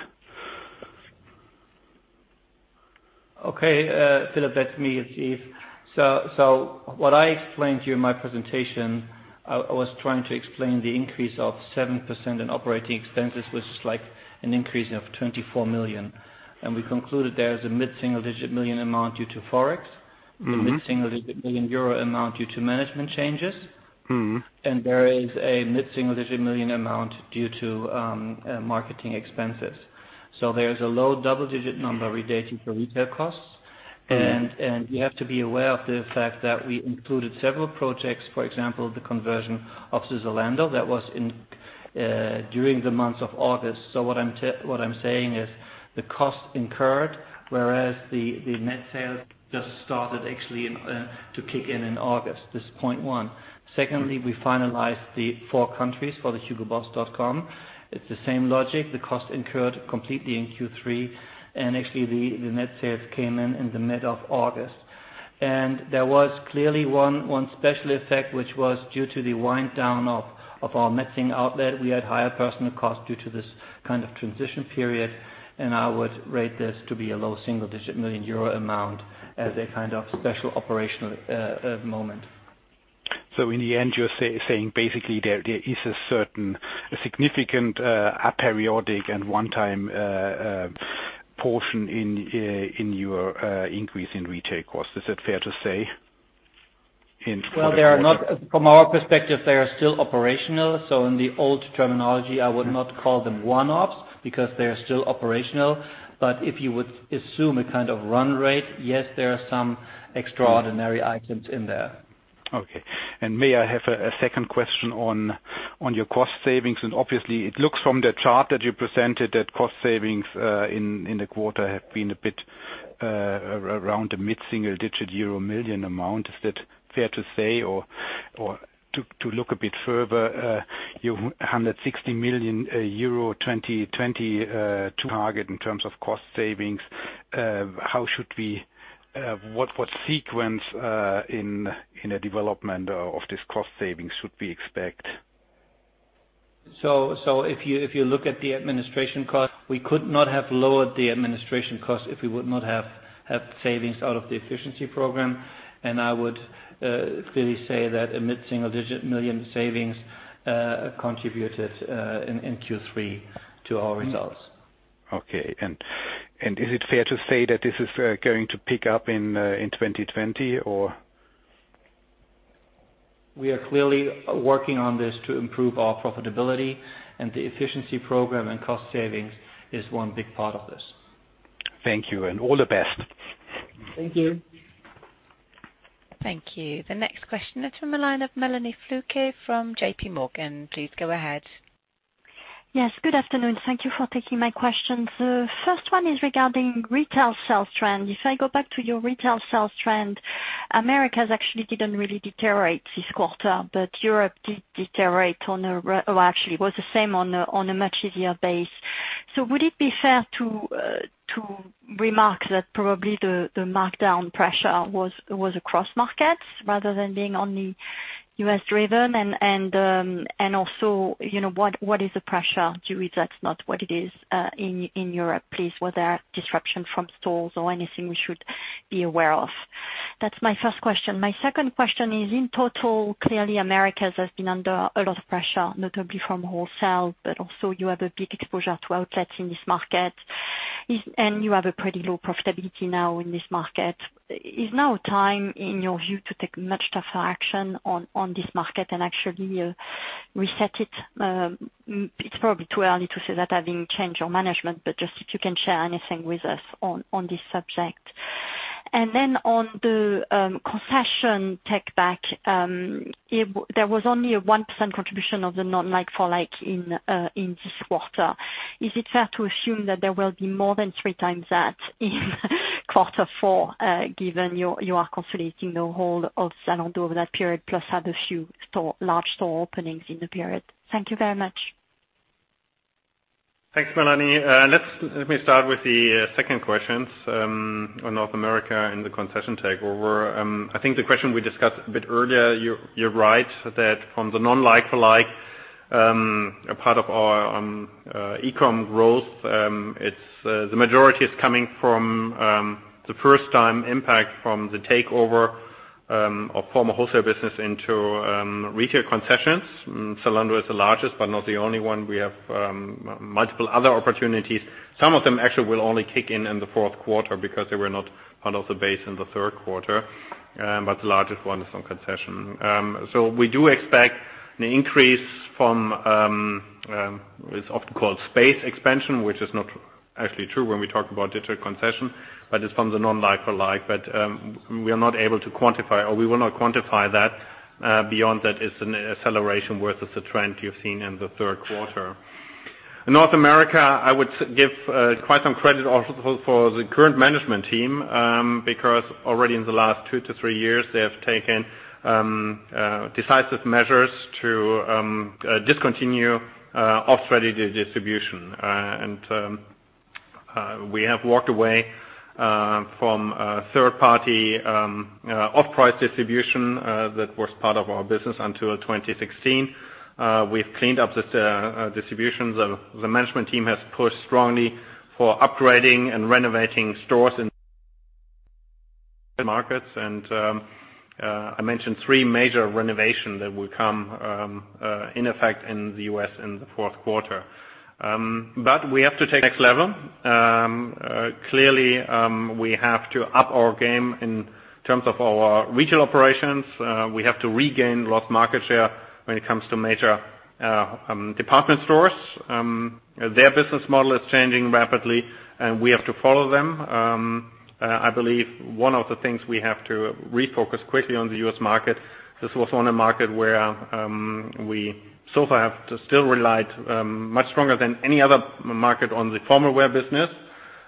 Okay. Philipp, that's me, Yves. What I explained to you in my presentation, I was trying to explain the increase of 7% in operating expenses, which is like an increase of 24 million. We concluded there is a mid-single digit million amount due to Forex. A mid-single digit million EUR amount due to management changes. There is a mid-single digit million amount due to marketing expenses. There is a low double-digit EUR number relating to retail costs. You have to be aware of the fact that we included several projects, for example, the conversion of Zalando. That was during the month of August. What I'm saying is the cost incurred, whereas the net sales just started actually to kick in in August, this point 1. Secondly, we finalized the four countries for the hugoboss.com. It's the same logic. The cost incurred completely in Q3 and actually the net sales came in in the middle of August. There was clearly one special effect, which was due to the wind down of our Metzingen outlet. We had higher personal cost due to this kind of transition period, and I would rate this to be a low single digit million EUR amount as a kind of special operational moment. In the end, you're saying basically there is a certain significant aperiodic and one-time portion in your increase in retail cost. Is that fair to say? Well, from our perspective, they are still operational. In the old terminology, I would not call them one-offs because they are still operational. If you would assume a kind of run rate, yes, there are some extraordinary items in there. Okay. May I have a second question on your cost savings? Obviously it looks from the chart that you presented that cost savings in the quarter have been a bit around a mid-single digit EUR million amount. Is that fair to say? Or to look a bit further, your 160 million euro 2020 target in terms of cost savings, what sequence in the development of this cost savings should we expect? If you look at the administration cost, we could not have lowered the administration cost if we would not have had savings out of the efficiency program. I would clearly say that a mid-single digit million EUR savings contributed in Q3 to our results. Okay. Is it fair to say that this is going to pick up in 2020 or? We are clearly working on this to improve our profitability and the efficiency program and cost savings is one big part of this. Thank you and all the best. Thank you. Thank you. The next question is from the line of Melanie Flouquet from JPMorgan. Please go ahead. Yes, good afternoon. Thank you for taking my questions. First one is regarding retail sales trend. If I go back to your retail sales trend, Americas actually didn't really deteriorate this quarter, but Europe did deteriorate on a, or actually was the same on a much easier base. Would it be fair to remark that probably the markdown pressure was across markets rather than being only U.S. driven and also, what is the pressure due if that's not what it is in Europe, please? Was there disruption from stores or anything we should be aware of? That's my first question. My second question is, in total, clearly Americas has been under a lot of pressure, notably from wholesale, but also you have a big exposure to outlets in this market and you have a pretty low profitability now in this market. Is now a time, in your view, to take much tougher action on this market and actually reset it? It's probably too early to say that having changed your management, but just if you can share anything with us on this subject. On the concession takeback. There was only a 1% contribution of the non like-for-like in this quarter. Is it fair to assume that there will be more than three times that in quarter four, given you are consolidating the whole of Zalando over that period plus had a few large store openings in the period? Thank you very much. Thanks, Melanie. Let me start with the second questions on North America and the concession takeover. I think the question we discussed a bit earlier, you're right that from the non like-for-like, a part of our e-com growth, the majority is coming from the first time impact from the takeover of former wholesale business into retail concessions. Zalando is the largest, not the only one. We have multiple other opportunities. Some of them actually will only kick in in the fourth quarter because they were not part of the base in the third quarter. The largest one is on concession. We do expect an increase from, it's often called space expansion, which is not actually true when we talk about digital concession, but it's from the non like-for-like. We are not able to quantify or we will not quantify that. Beyond that, it's an acceleration where it is a trend you've seen in the third quarter. In North America, I would give quite some credit also for the current management team, because already in the last two to three years, they have taken decisive measures to discontinue off-strategy distribution. We have walked away from a third-party off-price distribution that was part of our business until 2016. We've cleaned up the distribution. The management team has pushed strongly for upgrading and renovating stores in the markets and I mentioned three major renovation that will come in effect in the U.S. in the fourth quarter. We have to take next level. Clearly, we have to up our game in terms of our retail operations. We have to regain lost market share when it comes to major department stores. Their business model is changing rapidly, and we have to follow them. I believe one of the things we have to refocus quickly on the U.S. market, this was on a market where we so far have to still relied much stronger than any other market on the formal wear business.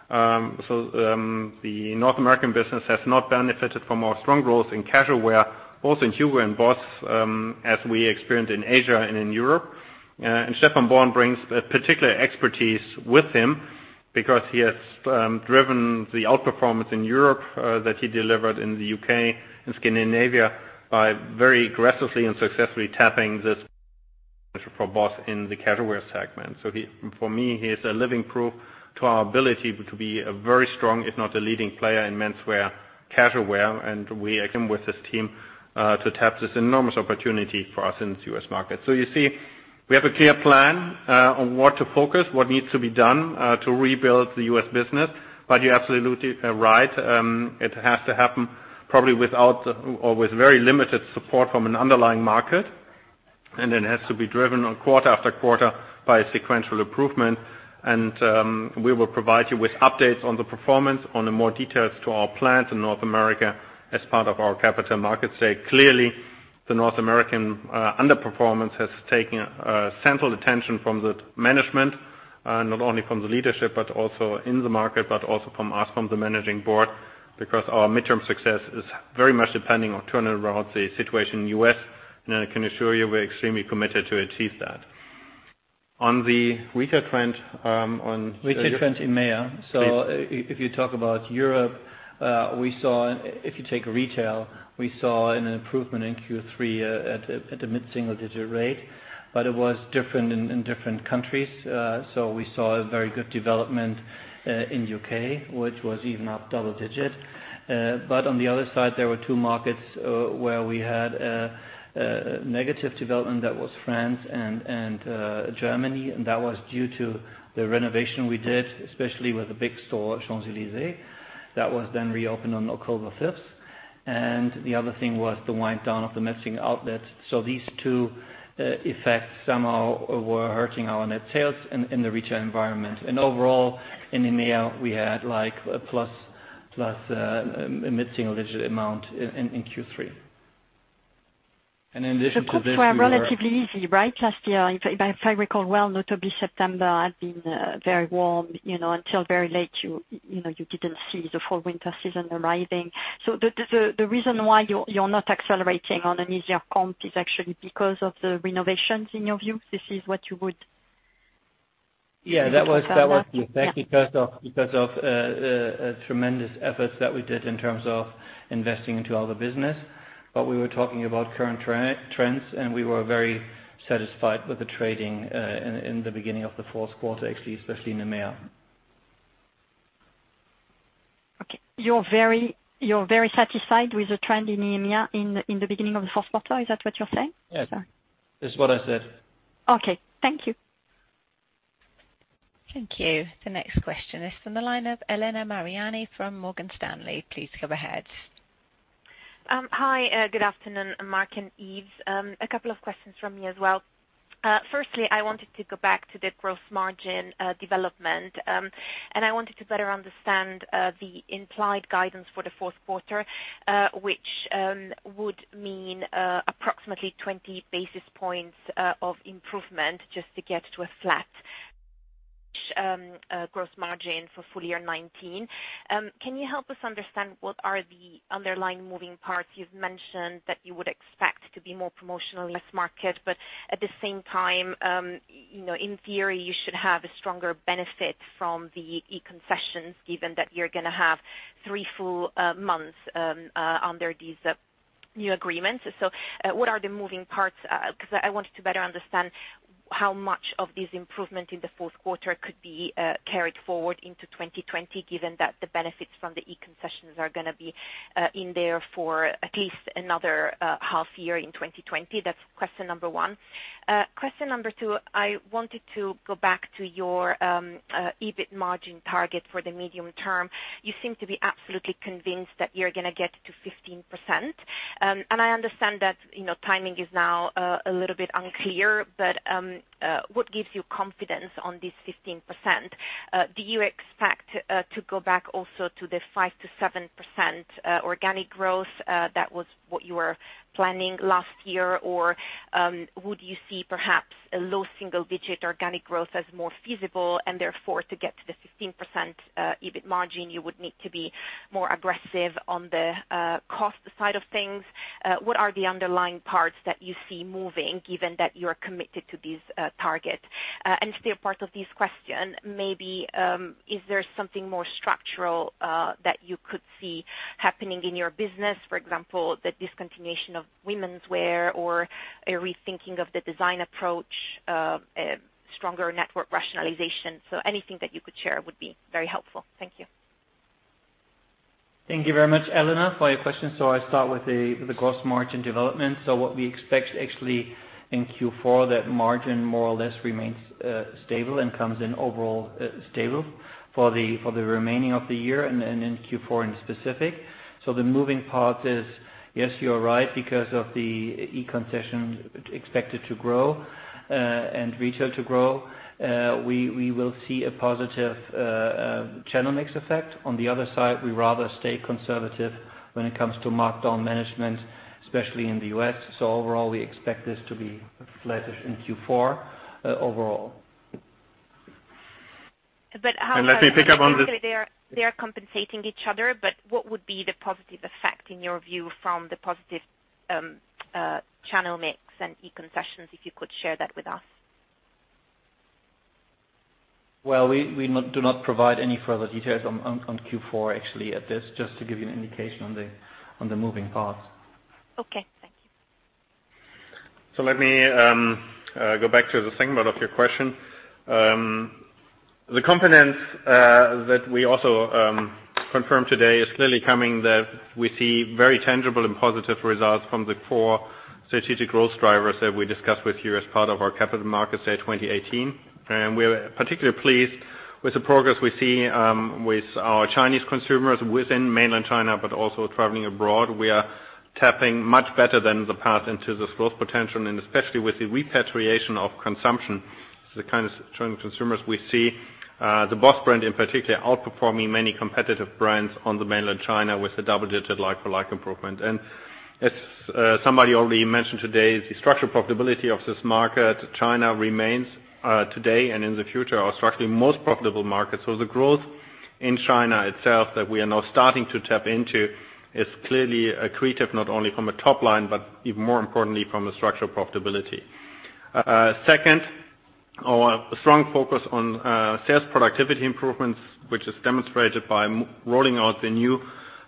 The North American business has not benefited from our strong growth in casual wear, both in HUGO and BOSS, as we experienced in Asia and in Europe. Stephan Born brings a particular expertise with him because he has driven the outperformance in Europe that he delivered in the U.K. and Scandinavia by very aggressively and successfully tapping this potential for BOSS in the casual wear segment. For me, he is a living proof to our ability to be a very strong, if not the leading player in menswear, casual wear. We came with this team to tap this enormous opportunity for us in the U.S. market. You see, we have a clear plan on what to focus, what needs to be done to rebuild the U.S. business. You're absolutely right. It has to happen probably without or with very limited support from an underlying market. It has to be driven quarter after quarter by sequential improvement. We will provide you with updates on the performance on the more details to our plans in North America as part of our capital markets day. Clearly, the North American underperformance has taken central attention from the management, not only from the leadership, but also in the market, but also from us, from the managing board, because our midterm success is very much depending on turning around the situation in U.S. I can assure you we're extremely committed to achieve that. Weaker trends in EMEA. If you talk about Europe, if you take retail, we saw an improvement in Q3 at a mid-single digit rate, but it was different in different countries. We saw a very good development in U.K., which was even up double digit. On the other side, there were two markets, where we had a negative development that was France and Germany, and that was due to the renovation we did, especially with the big store, Champs-Élysées, that was then reopened on October 5th. The other thing was the wind down of the Metzingen outlet. These two effects somehow were hurting our net sales in the retail environment. Overall in EMEA, we had a plus mid-single digit amount in Q3. In addition to this. The comps were relatively easy, right? Last year, if I recall well, notably September had been very warm, until very late you didn't see the fall/winter season arriving. The reason why you're not accelerating on an easier comp is actually because of the renovations in your view. Yeah, that was the effect because of tremendous efforts that we did in terms of investing into all the business. We were talking about current trends, and we were very satisfied with the trading, in the beginning of the fourth quarter, actually, especially in EMEA. Okay. You're very satisfied with the trend in EMEA in the beginning of the fourth quarter. Is that what you're saying? Yes. That's what I said. Okay. Thank you. Thank you. The next question is from the line of Elena Mariani from Morgan Stanley. Please go ahead. Hi. Good afternoon, Mark Langer and Yves Müller. A couple of questions from me as well. Firstly, I wanted to go back to the gross margin development. I wanted to better understand the implied guidance for the fourth quarter, which would mean approximately 20 basis points of improvement just to get to a flat gross margin for full year 2019. Can you help us understand what are the underlying moving parts you've mentioned that you would expect to be more promotional in this market? At the same time, in theory, you should have a stronger benefit from the e-concessions given that you're going to have three full months under these new agreements. What are the moving parts? Because I wanted to better understand how much of this improvement in the fourth quarter could be carried forward into 2020, given that the benefits from the e-concessions are going to be in there for at least another half year in 2020. That's question number one. Question number two, I wanted to go back to your EBIT margin target for the medium term. You seem to be absolutely convinced that you're going to get to 15%. I understand that timing is now a little bit unclear, but what gives you confidence on this 15%? Do you expect to go back also to the 5% to 7% organic growth? That was what you were planning last year. Would you see perhaps a low single-digit organic growth as more feasible and therefore to get to the 15% EBIT margin, you would need to be more aggressive on the cost side of things. What are the underlying parts that you see moving given that you're committed to these targets? Still part of this question, maybe, is there something more structural that you could see happening in your business? For example, the discontinuation of womenswear or a rethinking of the design approach, a stronger network rationalization. Anything that you could share would be very helpful. Thank you. Thank you very much, Elena, for your question. I start with the gross margin development. What we expect actually in Q4, that margin more or less remains stable and comes in overall stable for the remaining of the year and in Q4 in specific. The moving part is, yes, you are right because of the e-concession expected to grow, and retail to grow. On the other side, we rather stay conservative when it comes to markdown management, especially in the U.S. Overall, we expect this to be flattish in Q4 overall. how- Let me pick up on this. Obviously, they are compensating each other, but what would be the positive effect in your view from the positive channel mix and e-concessions, if you could share that with us? We do not provide any further details on Q4 actually at this, just to give you an indication on the moving parts. Okay. Thank you. Let me go back to the second part of your question. The confidence that we also confirmed today is clearly coming that we see very tangible and positive results from the core strategic growth drivers that we discussed with you as part of our Capital Markets Day 2018. We are particularly pleased with the progress we see with our Chinese consumers within mainland China, but also traveling abroad, we are tapping much better than the path into this growth potential. Especially with the repatriation of consumption, the kind of Chinese consumers we see, the BOSS brand in particular, outperforming many competitive brands on the mainland China with a double-digit like-for-like improvement. As somebody already mentioned today, the structural profitability of this market, China remains today and in the future, our structurally most profitable market. The growth in China itself that we are now starting to tap into is clearly accretive, not only from a top line, but even more importantly, from a structural profitability. Second, our strong focus on sales productivity improvements, which is demonstrated by rolling out the new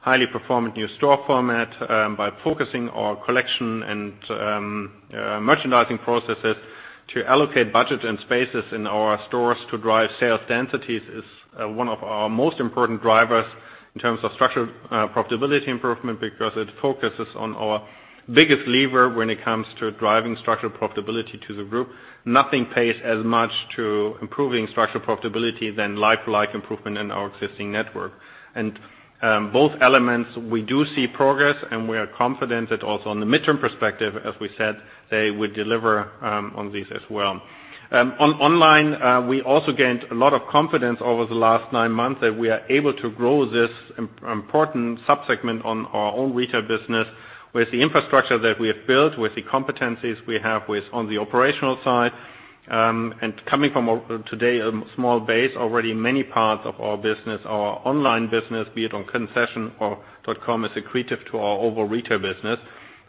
highly performant new store format by focusing our collection and merchandising processes to allocate budget and spaces in our stores to drive sales densities is one of our most important drivers in terms of structural profitability improvement, because it focuses on our biggest lever when it coming to driving structural profitability to the group. Nothing pays as much to improving structural profitability than like-for-like improvement in our existing network. Both elements, we do see progress, and we are confident that also in the midterm perspective, as we said, they would deliver on these as well. On online, we also gained a lot of confidence over the last nine months that we are able to grow this important sub-segment on our own retail business with the infrastructure that we have built, with the competencies we have on the operational side. Coming from, today, a small base, already many parts of our business, our online business, be it on concession or hugoboss.com, is accretive to our overall retail business.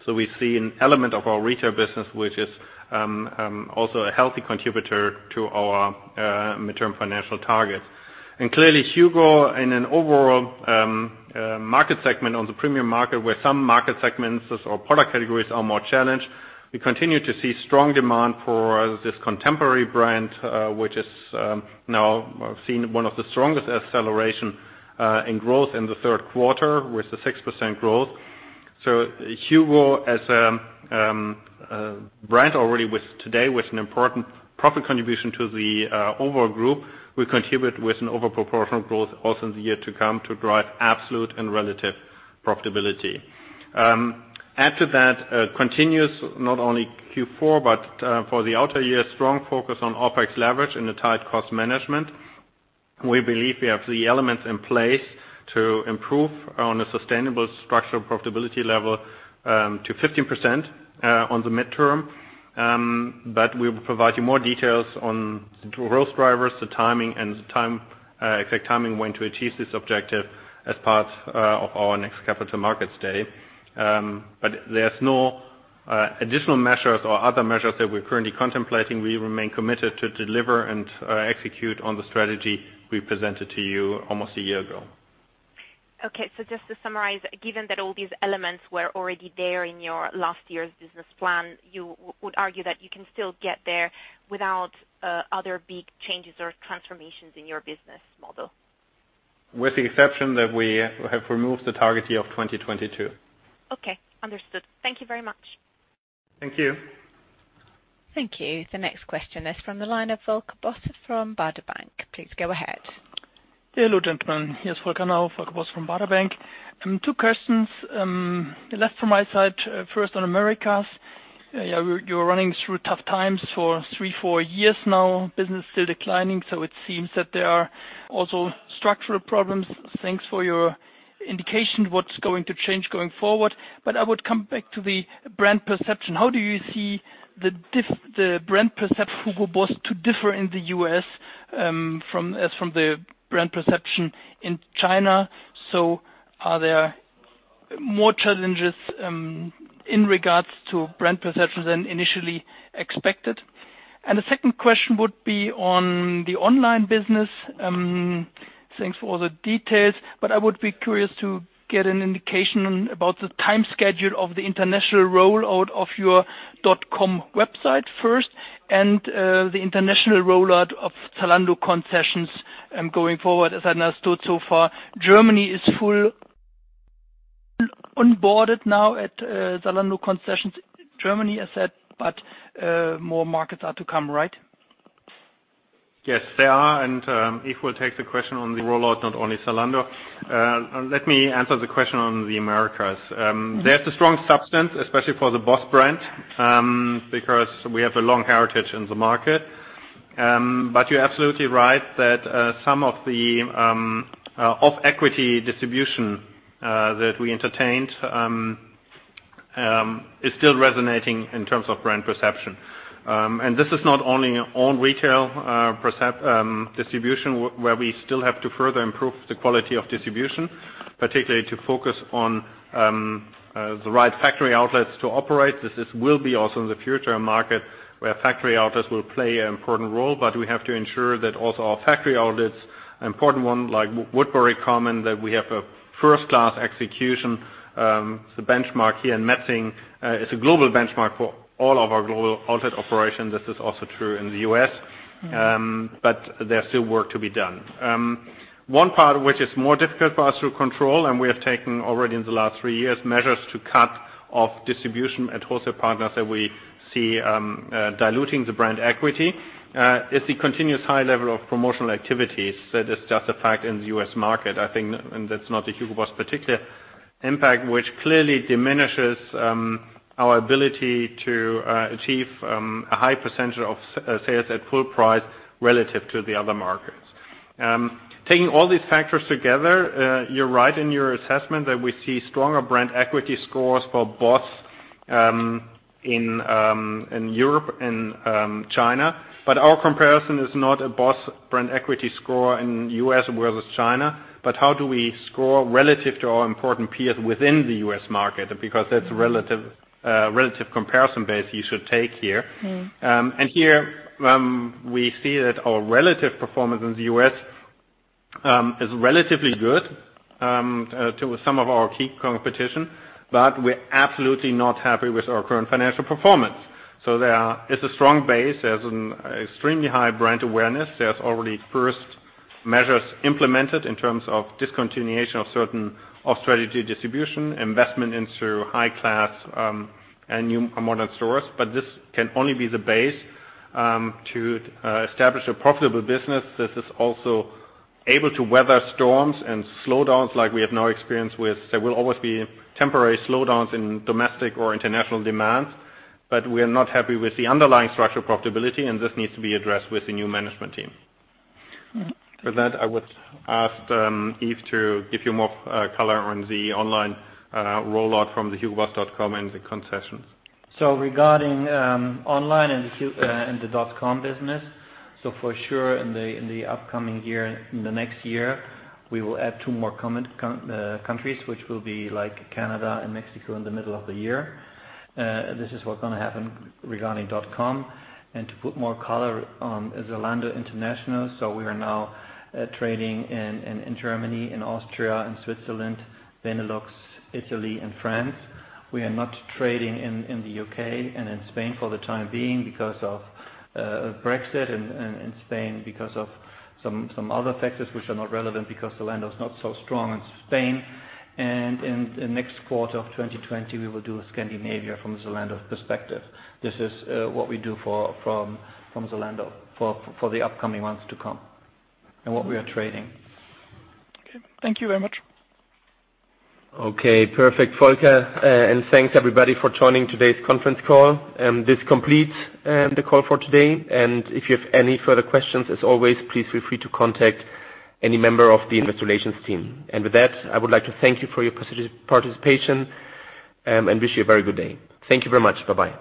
We see an element of our retail business, which is also a healthy contributor to our midterm financial targets. Clearly, HUGO, in an overall market segment on the premium market, where some market segments or product categories are more challenged, we continue to see strong demand for this contemporary brand, which is now seen one of the strongest acceleration in growth in the third quarter with the 6% growth. HUGO, as a brand already today with an important profit contribution to the overall group, will contribute with an over-proportional growth also in the year to come to drive absolute and relative profitability. Add to that, continuous, not only Q4, but for the outer year, strong focus on OpEx leverage and a tight cost management. We believe we have the elements in place to improve on a sustainable structural profitability level to 15% on the mid-term. We will provide you more details on the growth drivers, the timing and the exact timing when to achieve this objective as part of our next Capital Markets Day. There's no additional measures or other measures that we're currently contemplating. We remain committed to deliver and execute on the strategy we presented to you almost a year ago. Okay. Just to summarize, given that all these elements were already there in your last year's business plan, you would argue that you can still get there without other big changes or transformations in your business model. With the exception that we have removed the target year of 2022. Okay. Understood. Thank you very much. Thank you. Thank you. The next question is from the line of Volker Bosse from Baader Bank. Please go ahead. Hello, gentlemen. Yes, Volker now. Volker Bosse from Baader Bank. Two questions. The left from my side, first on Americas. You're running through tough times for three, four years now. Business still declining, so it seems that there are also structural problems. Thanks for your indication what's going to change going forward. I would come back to the brand perception. How do you see the brand perception Hugo Boss to differ in the U.S. as from the brand perception in China? Are there more challenges in regards to brand perception than initially expected? The second question would be on the online business. Thanks for all the details, I would be curious to get an indication about the time schedule of the international rollout of your hugoboss.com website first and the international rollout of Zalando concessions going forward. As I understood so far, Germany is full on boarded now at Zalando concessions. Germany, I said, but more markets are to come, right? Yes, they are. Yves will take the question on the rollout, not only Zalando. Let me answer the question on the Americas. There's a strong substance, especially for the BOSS brand, because we have a long heritage in the market. You're absolutely right that some of the off-equity distribution that we entertained is still resonating in terms of brand perception. This is not only on retail distribution, where we still have to further improve the quality of distribution, particularly to focus on the right factory outlets to operate. This will be also in the future a market where factory outlets will play an important role, but we have to ensure that also our factory outlets, an important one like Woodbury Common, that we have a first-class execution. The benchmark here in Metzingen, it's a global benchmark for all of our global outlet operations. This is also true in the U.S. There's still work to be done. One part which is more difficult for us to control, and we have taken already in the last three years, measures to cut off distribution at wholesale partners that we see diluting the brand equity, is the continuous high level of promotional activities. That is just a fact in the U.S. market, I think, and that's not a Hugo Boss particular impact, which clearly diminishes our ability to achieve a high percentage of sales at full price relative to the other markets. Taking all these factors together, you're right in your assessment that we see stronger brand equity scores for BOSS in Europe and China. Our comparison is not a BOSS brand equity score in U.S. versus China, but how do we score relative to our important peers within the U.S. market? That's a relative comparison base you should take here. Here, we see that our relative performance in the U.S. is relatively good to some of our key competition, but we're absolutely not happy with our current financial performance. It's a strong base. There's an extremely high brand awareness. There's already first measures implemented in terms of discontinuation of certain off-strategy distribution, investment into high-class and new modern stores. This can only be the base to establish a profitable business that is also able to weather storms and slowdowns like we have now experienced with. There will always be temporary slowdowns in domestic or international demand, but we are not happy with the underlying structural profitability, and this needs to be addressed with the new management team. With that, I would ask Yves to give you more color on the online rollout from the hugoboss.com and the concessions. Regarding online and the .com business. For sure, in the upcoming year, in the next year, we will add two more countries, which will be Canada and Mexico in the middle of the year. This is what's going to happen regarding .com. To put more color on the Zalando International. We are now trading in Germany, in Austria, in Switzerland, Benelux, Italy, and France. We are not trading in the U.K. and in Spain for the time being because of Brexit, and in Spain because of some other factors which are not relevant because Zalando is not so strong in Spain. In the next quarter of 2020, we will do Scandinavia from the Zalando perspective. This is what we do from Zalando for the upcoming months to come, and what we are trading. Okay. Thank you very much. Okay, perfect, Volker. Thanks everybody for joining today's conference call. This completes the call for today. If you have any further questions, as always, please feel free to contact any member of the investor relations team. With that, I would like to thank you for your participation and wish you a very good day. Thank you very much. Bye-bye.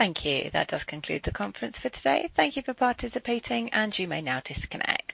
Thank you. That does conclude the conference for today. Thank you for participating, and you may now disconnect.